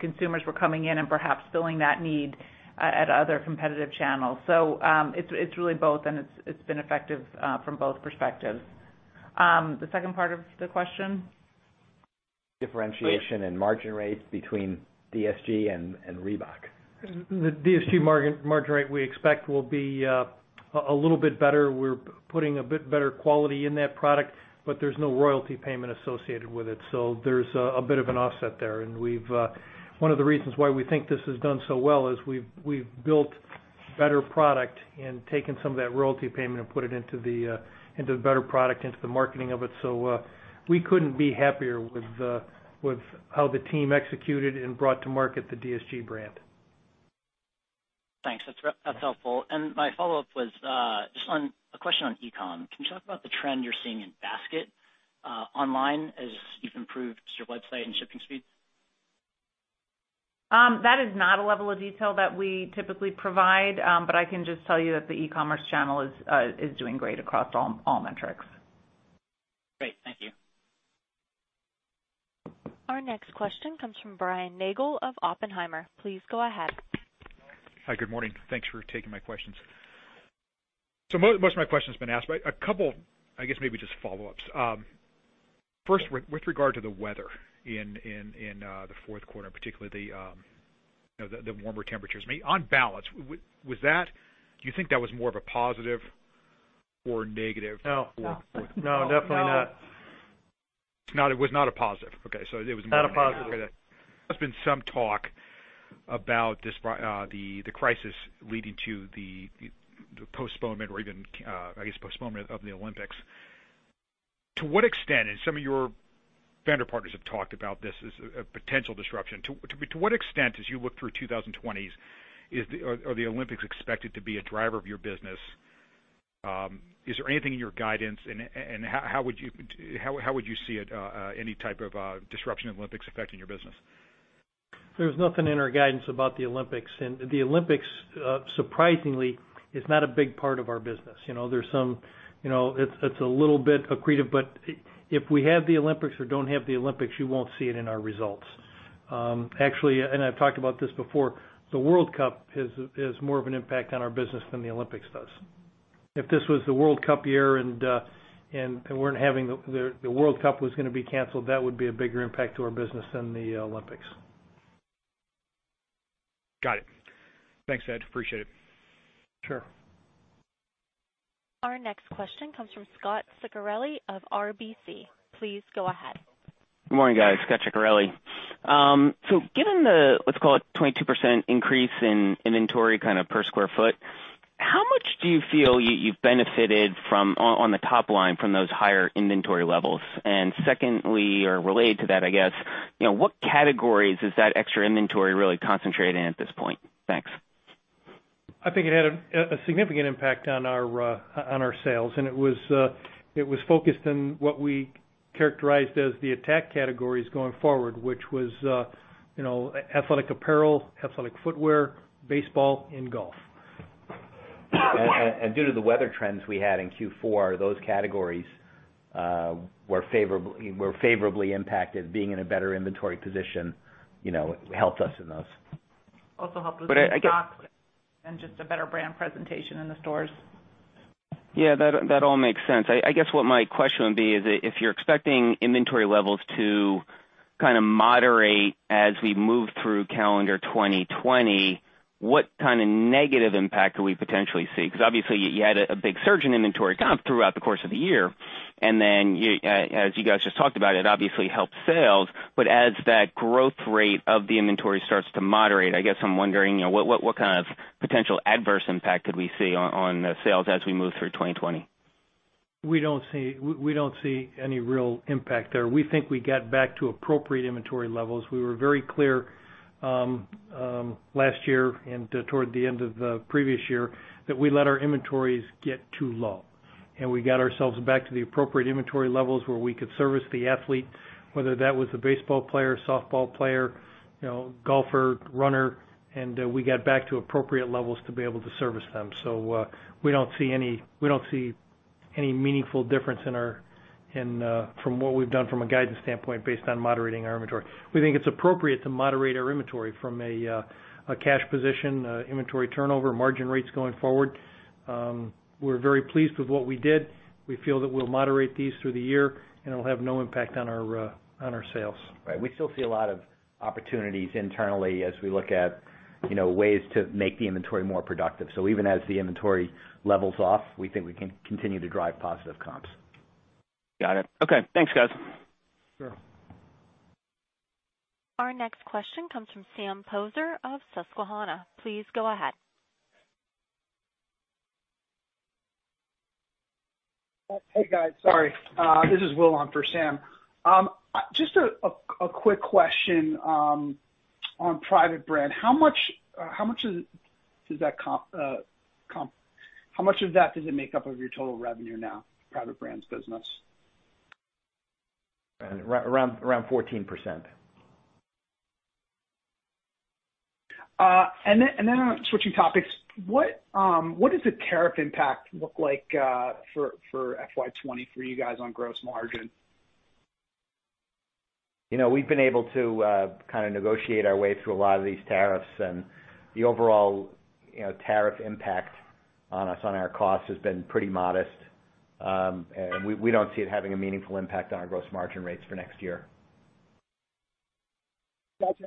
D: Consumers were coming in and perhaps filling that need at other competitive channels. It's really both, and it's been effective from both perspectives. The second part of the question?
E: Differentiation in margin rates between DSG and Reebok.
C: The DSG margin rate, we expect will be a little bit better. We're putting a bit better quality in that product, but there's no royalty payment associated with it. There's a bit of an offset there. One of the reasons why we think this has done so well is we've built better product and taken some of that royalty payment and put it into the better product, into the marketing of it. We couldn't be happier with how the team executed and brought to market the DSG brand.
O: Thanks. That's helpful. My follow-up was just a question on e-com. Can you talk about the trend you're seeing in basket online as you've improved your website and shipping speeds?
D: That is not a level of detail that we typically provide, I can just tell you that the e-commerce channel is doing great across all metrics.
O: Great. Thank you.
A: Our next question comes from Brian Nagel of Oppenheimer. Please go ahead.
P: Hi, good morning. Thanks for taking my questions. Most of my questions have been asked, but a couple, I guess, maybe just follow-ups. First, with regard to the weather in the fourth quarter, and particularly the warmer temperatures. On balance, do you think that was more of a positive or negative?
C: No.
D: No.
C: No, definitely not.
P: No, it was not a positive. Okay.
C: Not a positive.
P: There's been some talk about the crisis leading to the postponement of the Olympics. Some of your vendor partners have talked about this as a potential disruption. To what extent, as you look through 2020, are the Olympics expected to be a driver of your business? Is there anything in your guidance, and how would you see any type of disruption in Olympics affecting your business?
C: There's nothing in our guidance about the Olympics. The Olympics, surprisingly, is not a big part of our business. It's a little bit accretive, but if we have the Olympics or don't have the Olympics, you won't see it in our results. Actually, I've talked about this before, the World Cup has more of an impact on our business than the Olympics does. If this was the World Cup year and the World Cup was going to be canceled, that would be a bigger impact to our business than the Olympics.
P: Got it. Thanks, Ed. Appreciate it.
C: Sure.
A: Our next question comes from Scot Ciccarelli of RBC. Please go ahead.
Q: Good morning, guys. Scot Ciccarelli. Given the, let's call it, 22% increase in inventory per square foot, how much do you feel you've benefited on the top line from those higher inventory levels? Secondly, or related to that, I guess, what categories is that extra inventory really concentrated in at this point? Thanks.
C: I think it had a significant impact on our sales, and it was focused on what we characterized as the attack categories going forward, which was athletic apparel, athletic footwear, baseball, and golf.
E: Due to the weather trends we had in Q4, those categories were favorably impacted. Being in a better inventory position, helped us in those.
D: Also helped us with stock and just a better brand presentation in the stores.
Q: Yeah, that all makes sense. I guess what my question would be is, if you're expecting inventory levels to moderate as we move through calendar 2020, what kind of negative impact could we potentially see? Obviously you had a big surge in inventory comp throughout the course of the year, and then as you guys just talked about, it obviously helped sales. As that growth rate of the inventory starts to moderate, I guess I'm wondering, what kind of potential adverse impact could we see on sales as we move through 2020?
C: We don't see any real impact there. We think we got back to appropriate inventory levels. We were very clear last year and toward the end of the previous year that we let our inventories get too low. We got ourselves back to the appropriate inventory levels where we could service the athlete, whether that was a baseball player, softball player, golfer, runner, and we got back to appropriate levels to be able to service them. We don't see any meaningful difference from what we've done from a guidance standpoint based on moderating our inventory. We think it's appropriate to moderate our inventory from a cash position, inventory turnover, margin rates going forward. We're very pleased with what we did. We feel that we'll moderate these through the year, and it'll have no impact on our sales.
E: Right. We still see a lot of opportunities internally as we look at ways to make the inventory more productive. Even as the inventory levels off, we think we can continue to drive positive comps.
Q: Got it. Okay. Thanks, guys.
C: Sure.
A: Our next question comes from Sam Poser of Susquehanna. Please go ahead.
R: Hey, guys. Sorry. This is Will on for Sam. Just a quick question on private brand. How much of that does it make up of your total revenue now, private brands business?
E: Around 14%.
R: Then switching topics, what does the tariff impact look like for FY 2020, you guys, on gross margin?
E: We've been able to negotiate our way through a lot of these tariffs and the overall tariff impact on our cost has been pretty modest. We don't see it having a meaningful impact on our gross margin rates for next year.
R: Got you.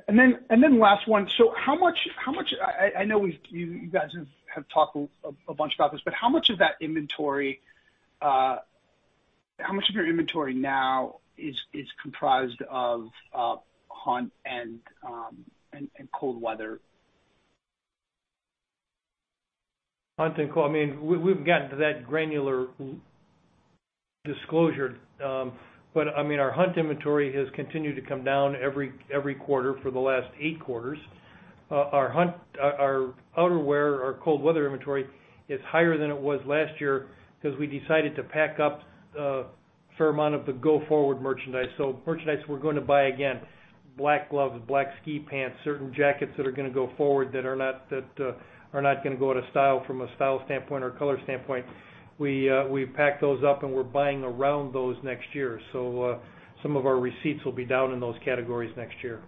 R: Last one. I know you guys have talked a bunch about this, how much of your inventory now is comprised of hunt and cold weather?
C: Hunt and cold. We haven't gotten to that granular disclosure. Our hunt inventory has continued to come down every quarter for the last eight quarters. Our outerwear, our cold weather inventory is higher than it was last year because we decided to pack up a fair amount of the go-forward merchandise. Merchandise we're going to buy again, black gloves, black ski pants, certain jackets that are going to go forward that are not going to go out of style from a style standpoint or color standpoint. We packed those up and we're buying around those next year. Some of our receipts will be down in those categories next year.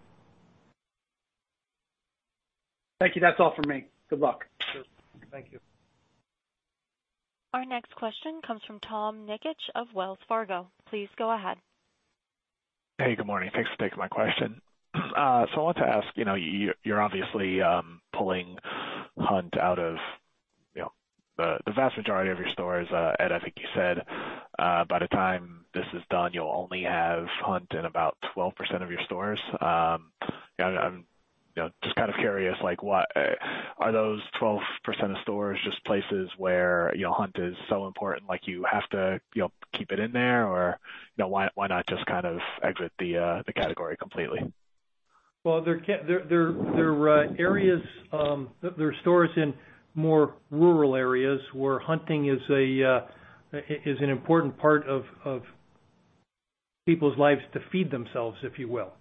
R: Thank you. That's all for me. Good luck.
C: Sure. Thank you.
A: Our next question comes from Tom Nikic of Wells Fargo. Please go ahead.
S: Hey, good morning. Thanks for taking my question. I wanted to ask, you're obviously pulling hunt out of the vast majority of your stores. Ed, I think you said by the time this is done, you'll only have hunt in about 12% of your stores. I'm just curious, are those 12% of stores just places where hunt is so important you have to keep it in there? Or why not just exit the category completely?
C: Well, there are stores in more rural areas where hunting is an important part of people's lives to feed themselves, if you will.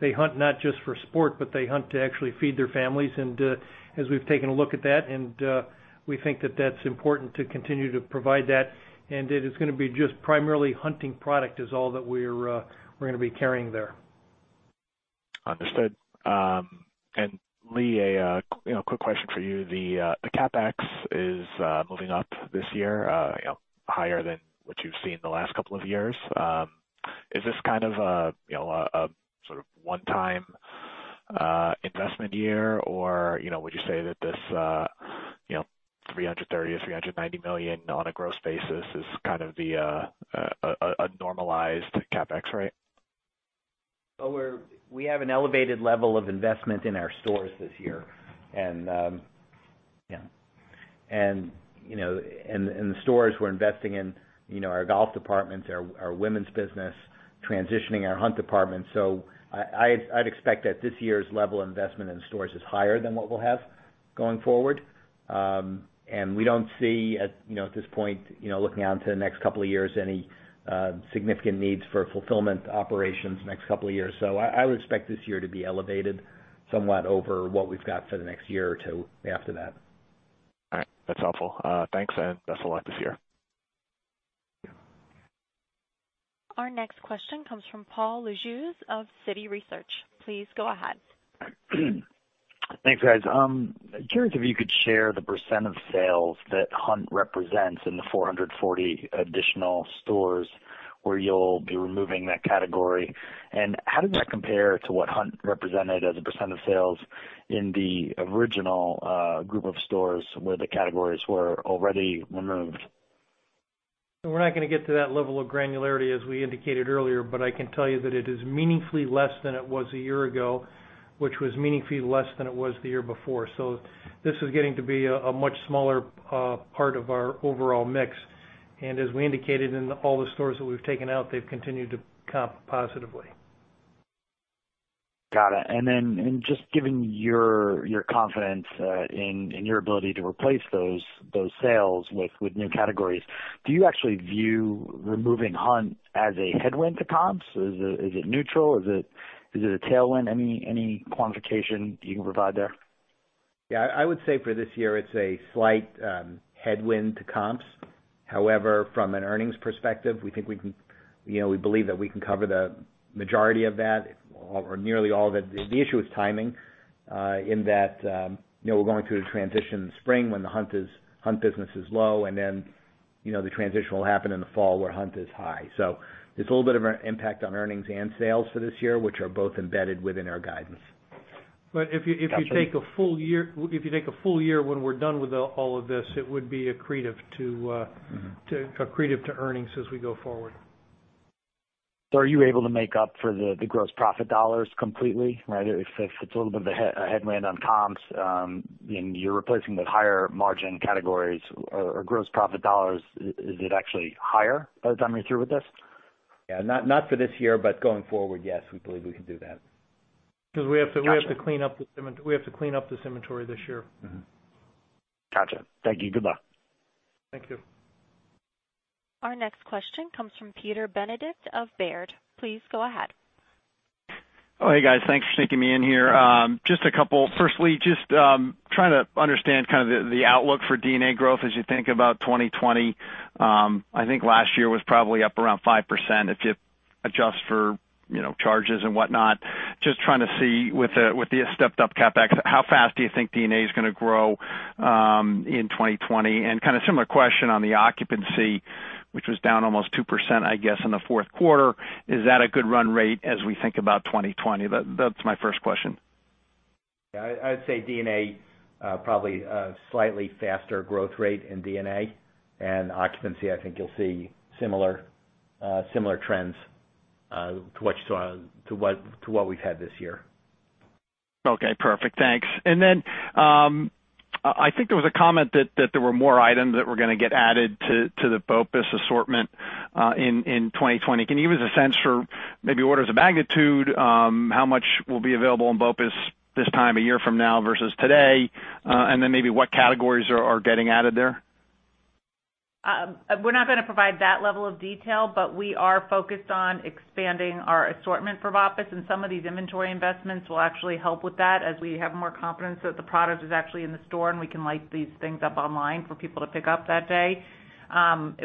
C: They hunt not just for sport, but they hunt to actually feed their families. As we've taken a look at that, and we think that that's important to continue to provide that. It is going to be just primarily hunting product is all that we're going to be carrying there.
S: Understood. Lee, a quick question for you. The CapEx is moving up this year, higher than what you've seen the last couple of years. Is this kind of a one-time investment year, or would you say that this $330 million or $390 million on a gross basis is kind of a normalized CapEx rate?
E: We have an elevated level of investment in our stores this year. In the stores we're investing in our golf departments, our women's business, transitioning our hunt department. I'd expect that this year's level of investment in stores is higher than what we'll have going forward. We don't see at this point, looking out into the next couple of years, any significant needs for fulfillment operations next couple of years. I would expect this year to be elevated somewhat over what we've got for the next year or two after that.
S: All right. That's helpful. Thanks, and best of luck this year.
A: Our next question comes from Paul Lejuez of Citi Research. Please go ahead.
T: Thanks, guys. Curious if you could share the % of sales that hunt represents in the 440 additional stores where you'll be removing that category. How does that compare to what hunt represented as a % of sales in the original group of stores where the categories were already removed?
C: We're not going to get to that level of granularity, as we indicated earlier, I can tell you that it is meaningfully less than it was a year ago, which was meaningfully less than it was the year before. This is getting to be a much smaller part of our overall mix. As we indicated, in all the stores that we've taken out, they've continued to comp positively.
T: Got it. Just given your confidence in your ability to replace those sales with new categories, do you actually view removing hunt as a headwind to comps? Is it neutral? Is it a tailwind? Any quantification you can provide there?
E: Yeah. I would say for this year, it's a slight headwind to comps. However, from an earnings perspective, we believe that we can cover the majority of that or nearly all of it. The issue is timing, in that we're going through the transition in spring when the hunt business is low, and then the transition will happen in the fall where hunt is high. There's a little bit of an impact on earnings and sales for this year, which are both embedded within our guidance.
C: If you take a full year, when we're done with all of this, it would be accretive to earnings as we go forward.
T: Are you able to make up for the gross profit dollars completely? If it's a little bit of a headwind on comps and you're replacing with higher margin categories or gross profit dollars, is it actually higher by the time you're through with this?
E: Yeah. Not for this year, but going forward, yes, we believe we can do that.
C: Because we have to clean up this inventory this year.
T: Got you. Thank you. Good luck.
C: Thank you.
A: Our next question comes from Peter Benedict of Baird. Please go ahead.
U: Oh, hey, guys. Thanks for sneaking me in here. Just a couple. Firstly, just trying to understand the outlook for D&A growth as you think about 2020. I think last year was probably up around 5% if you adjust for charges and whatnot. Just trying to see with the stepped-up CapEx, how fast do you think D&A is going to grow in 2020? Kind of similar question on the occupancy, which was down almost 2%, I guess, in the fourth quarter. Is that a good run rate as we think about 2020? That's my first question.
E: Yeah. I would say probably a slightly faster growth rate in D&A, and occupancy, I think you'll see similar trends to what we've had this year.
U: Okay, perfect. Thanks. I think there was a comment that there were more items that were going to get added to the BOPUS assortment in 2020. Can you give us a sense for maybe orders of magnitude, how much will be available in BOPUS this time a year from now versus today? Maybe what categories are getting added there?
D: We're not going to provide that level of detail, but we are focused on expanding our assortment for BOPUS. Some of these inventory investments will actually help with that as we have more confidence that the product is actually in the store, and we can light these things up online for people to pick up that day.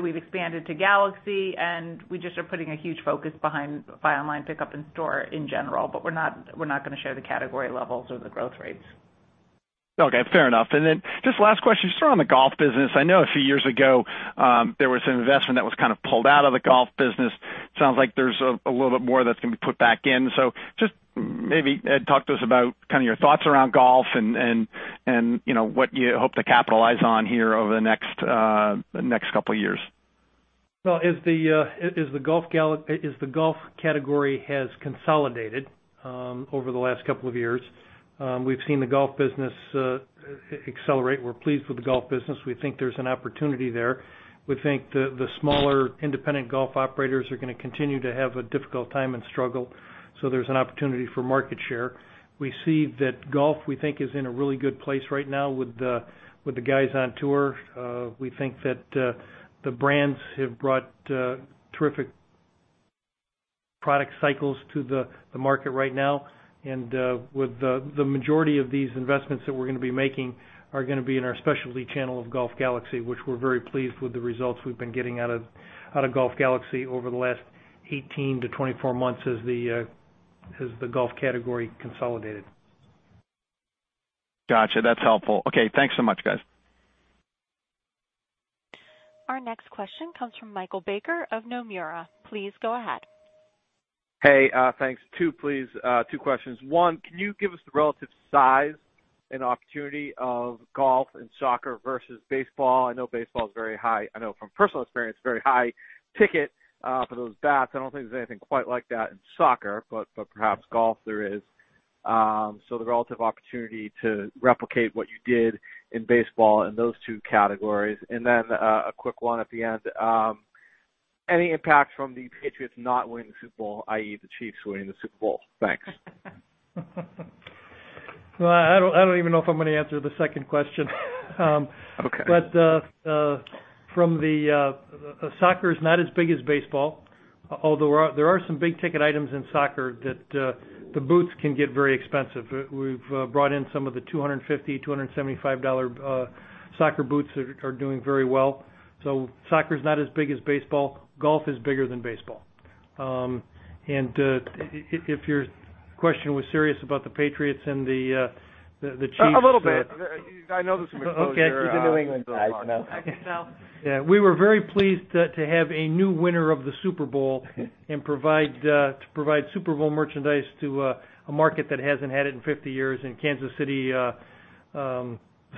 D: We've expanded to Golf Galaxy, and we just are putting a huge focus behind buy online, pickup in store in general, but we're not going to share the category levels or the growth rates.
U: Okay, fair enough. Then just last question, just around the golf business. I know a few years ago, there was an investment that was kind of pulled out of the golf business. Sounds like there's a little bit more that's going to be put back in. Just maybe, Ed, talk to us about kind of your thoughts around golf and what you hope to capitalize on here over the next couple of years.
C: Well, as the golf category has consolidated over the last couple of years, we've seen the golf business accelerate. We're pleased with the golf business. We think there's an opportunity there. We think the smaller independent golf operators are going to continue to have a difficult time and struggle. There's an opportunity for market share. We see that golf, we think, is in a really good place right now with the guys on tour. We think that the brands have brought terrific product cycles to the market right now. The majority of these investments that we're going to be making are going to be in our specialty channel of Golf Galaxy, which we're very pleased with the results we've been getting out of Golf Galaxy over the last 18-24 months as the golf category consolidated.
U: Gotcha. That's helpful. Okay, thanks so much, guys.
A: Our next question comes from Michael Baker of Nomura. Please go ahead.
V: Hey, thanks. Two, please. Two questions. One, can you give us the relative size and opportunity of golf and soccer versus baseball? I know baseball is very high. I know from personal experience, very high ticket for those bats. I don't think there's anything quite like that in soccer, but perhaps golf there is. The relative opportunity to replicate what you did in baseball in those two categories. A quick one at the end. Any impact from the Patriots not winning the Super Bowl, i.e., the Chiefs winning the Super Bowl? Thanks.
C: Well, I don't even know if I'm going to answer the second question.
V: Okay.
C: Soccer is not as big as baseball, although there are some big-ticket items in soccer that the boots can get very expensive. We've brought in some of the $250, $275 soccer boots are doing very well. Soccer is not as big as baseball. Golf is bigger than baseball. If your question was serious about the Patriots and the
V: A little bit. I know there's some exposure.
E: He's a New England guy.
C: Yeah, we were very pleased to have a new winner of the Super Bowl and to provide Super Bowl merchandise to a market that hasn't had it in 50 years, and Kansas City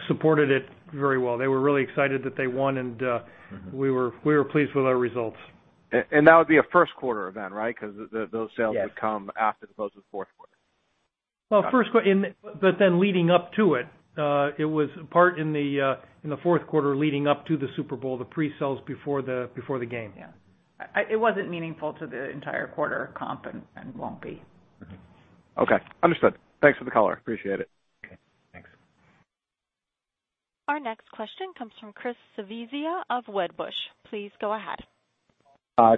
C: supported it very well. They were really excited that they won. We were pleased with our results.
V: That would be a first quarter event, right? Because those sales. Would come after most of the fourth quarter.
C: Well, first quarter, leading up to it. It was part in the fourth quarter leading up to the Super Bowl, the pre-sales before the game.
D: Yeah. It wasn't meaningful to the entire quarter comp and won't be.
V: Okay, understood. Thanks for the color. Appreciate it.
C: Okay, thanks.
A: Our next question comes from Chris Svezia of Wedbush. Please go ahead.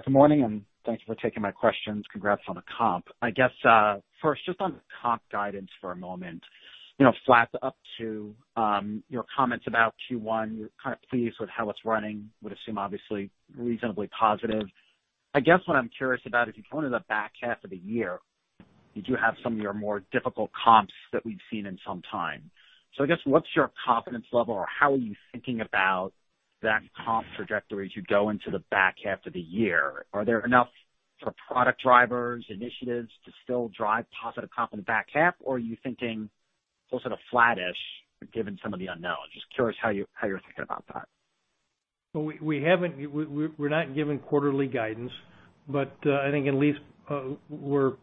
W: Good morning. Thanks for taking my questions. Congrats on the comp. I guess, first, just on the comp guidance for a moment. Flat up to your comments about Q1, you're kind of pleased with how it's running, would assume obviously reasonably positive. I guess what I'm curious about, if you go into the back half of the year, you do have some of your more difficult comps that we've seen in some time. I guess, what's your confidence level or how are you thinking about that comp trajectory as you go into the back half of the year? Are there enough sort of product drivers, initiatives to still drive positive comp in the back half? Are you thinking more sort of flattish given some of the unknowns? Just curious how you're thinking about that.
C: We're not giving quarterly guidance. I think at least the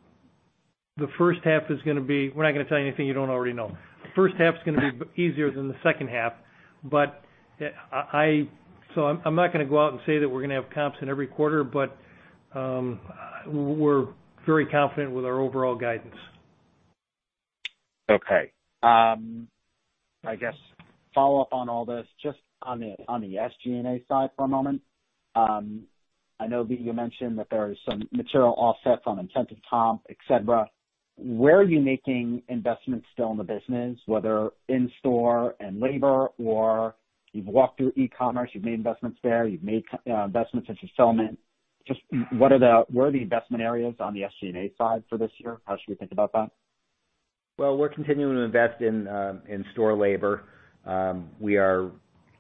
C: first half is going to be. We're not going to tell you anything you don't already know. First half is going to be easier than the second half. I'm not going to go out and say that we're going to have comps in every quarter. We're very confident with our overall guidance.
W: Okay. I guess follow up on all this, just on the SG&A side for a moment. I know that you mentioned that there is some material offset from incentive comp, et cetera. Where are you making investments still in the business, whether in store and labor, or you've walked through e-commerce, you've made investments there, you've made investments in fulfillment. Just where are the investment areas on the SG&A side for this year? How should we think about that?
E: Well, we're continuing to invest in store labor. We are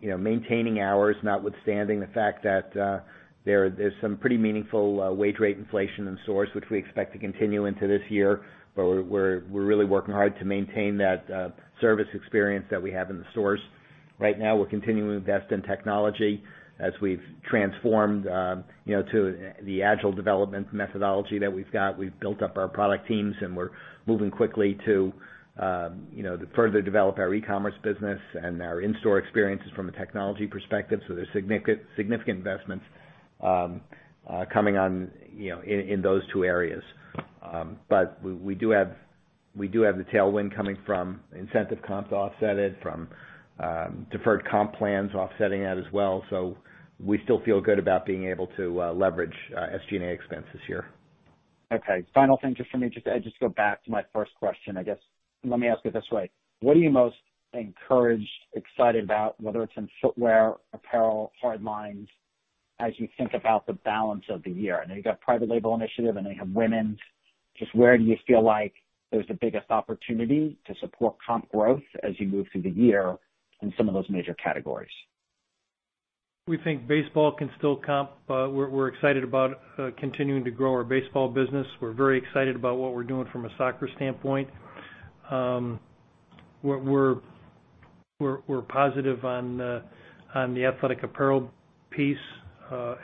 E: maintaining hours, notwithstanding the fact that there's some pretty meaningful wage rate inflation in stores, which we expect to continue into this year. We're really working hard to maintain that service experience that we have in the stores. Right now, we're continuing to invest in technology as we've transformed to the agile development methodology that we've got. We've built up our product teams, and we're moving quickly to further develop our e-commerce business and our in-store experiences from a technology perspective. There's significant investments coming on in those two areas. We do have the tailwind coming from incentive comps to offset it, from deferred comp plans offsetting that as well. We still feel good about being able to leverage SG&A expense this year.
W: Final thing just for me, just to go back to my first question, I guess. Let me ask it this way. What are you most encouraged, excited about, whether it's in footwear, apparel, hard lines, as you think about the balance of the year? I know you've got private label initiative, I know you have women's. Just where do you feel like there's the biggest opportunity to support comp growth as you move through the year in some of those major categories?
C: We think baseball can still comp. We're excited about continuing to grow our baseball business. We're very excited about what we're doing from a soccer standpoint. We're positive on the athletic apparel piece,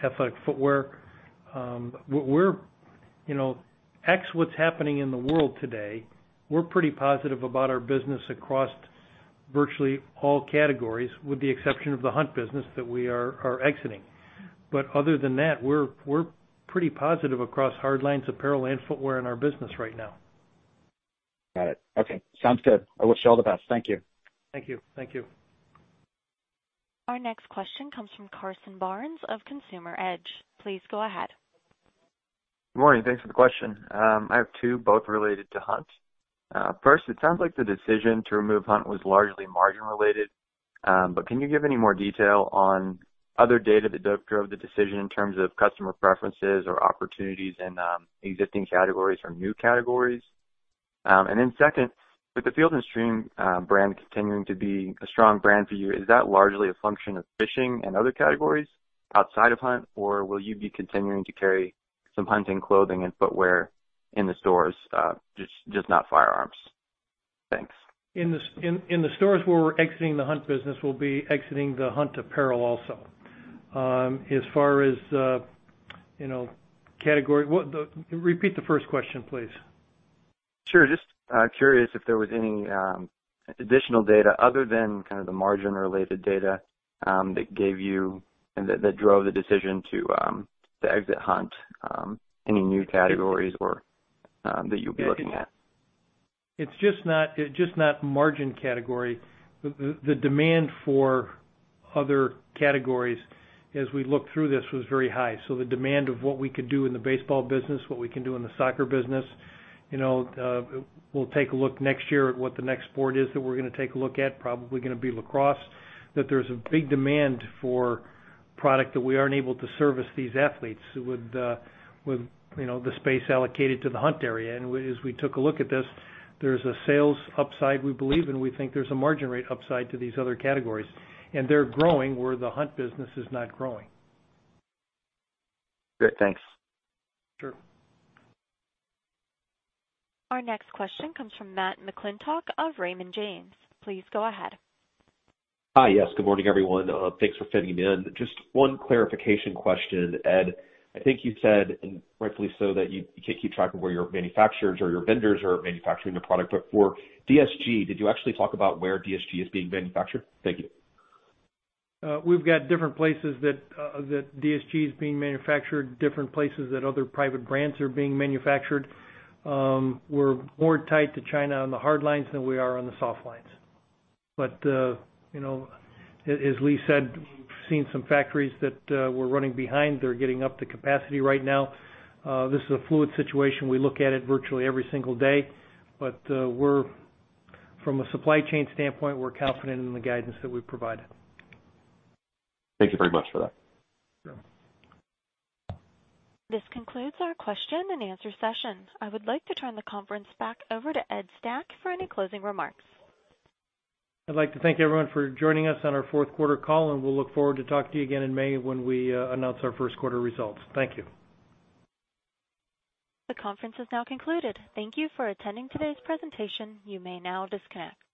C: athletic footwear. Ex what's happening in the world today, we're pretty positive about our business across virtually all categories, with the exception of the Hunt Business that we are exiting. Other than that, we're pretty positive across hard lines, apparel, and footwear in our business right now.
W: Got it. Okay. Sounds good. I wish you all the best. Thank you.
C: Thank you.
A: Our next question comes from Carson Barnes of Consumer Edge. Please go ahead.
X: Good morning. Thanks for the question. I have two, both related to hunt. First, it sounds like the decision to remove hunt was largely margin related. Can you give any more detail on other data that drove the decision in terms of customer preferences or opportunities in existing categories or new categories? Second, with the Field & Stream brand continuing to be a strong brand for you, is that largely a function of fishing and other categories outside of hunt, or will you be continuing to carry some hunting clothing and footwear in the stores, just not firearms? Thanks.
C: In the stores where we're exiting the hunt business, we'll be exiting the hunt apparel also. Repeat the first question, please.
X: Sure. Just curious if there was any additional data other than kind of the margin-related data that drove the decision to exit hunt, any new categories that you'll be looking at?
C: It's just not margin category. The demand for other categories as we looked through this was very high. The demand of what we could do in the baseball business, what we can do in the soccer business. We'll take a look next year at what the next sport is that we're going to take a look at, probably going to be lacrosse. There's a big demand for product that we aren't able to service these athletes with the space allocated to the hunt area. As we took a look at this, there's a sales upside, we believe, and we think there's a margin rate upside to these other categories, and they're growing where the hunt business is not growing.
X: Great. Thanks.
C: Sure.
A: Our next question comes from Matt McClintock of Raymond James. Please go ahead.
Y: Hi. Yes. Good morning, everyone. Thanks for fitting me in. Just one clarification question, Ed. I think you said, and rightfully so, that you can't keep track of where your manufacturers or your vendors are manufacturing the product. For DSG, did you actually talk about where DSG is being manufactured? Thank you.
C: We've got different places that DSG is being manufactured, different places that other private brands are being manufactured. We're more tied to China on the hard lines than we are on the soft lines. As Lee said, we've seen some factories that were running behind. They're getting up to capacity right now. This is a fluid situation. We look at it virtually every single day. From a supply chain standpoint, we're confident in the guidance that we've provided.
Y: Thank you very much for that.
C: Sure.
A: This concludes our question and answer session. I would like to turn the conference back over to Ed Stack for any closing remarks.
C: I'd like to thank everyone for joining us on our fourth quarter call, and we'll look forward to talking to you again in May when we announce our first quarter results. Thank you.
A: The conference is now concluded. Thank you for attending today's presentation. You may now disconnect.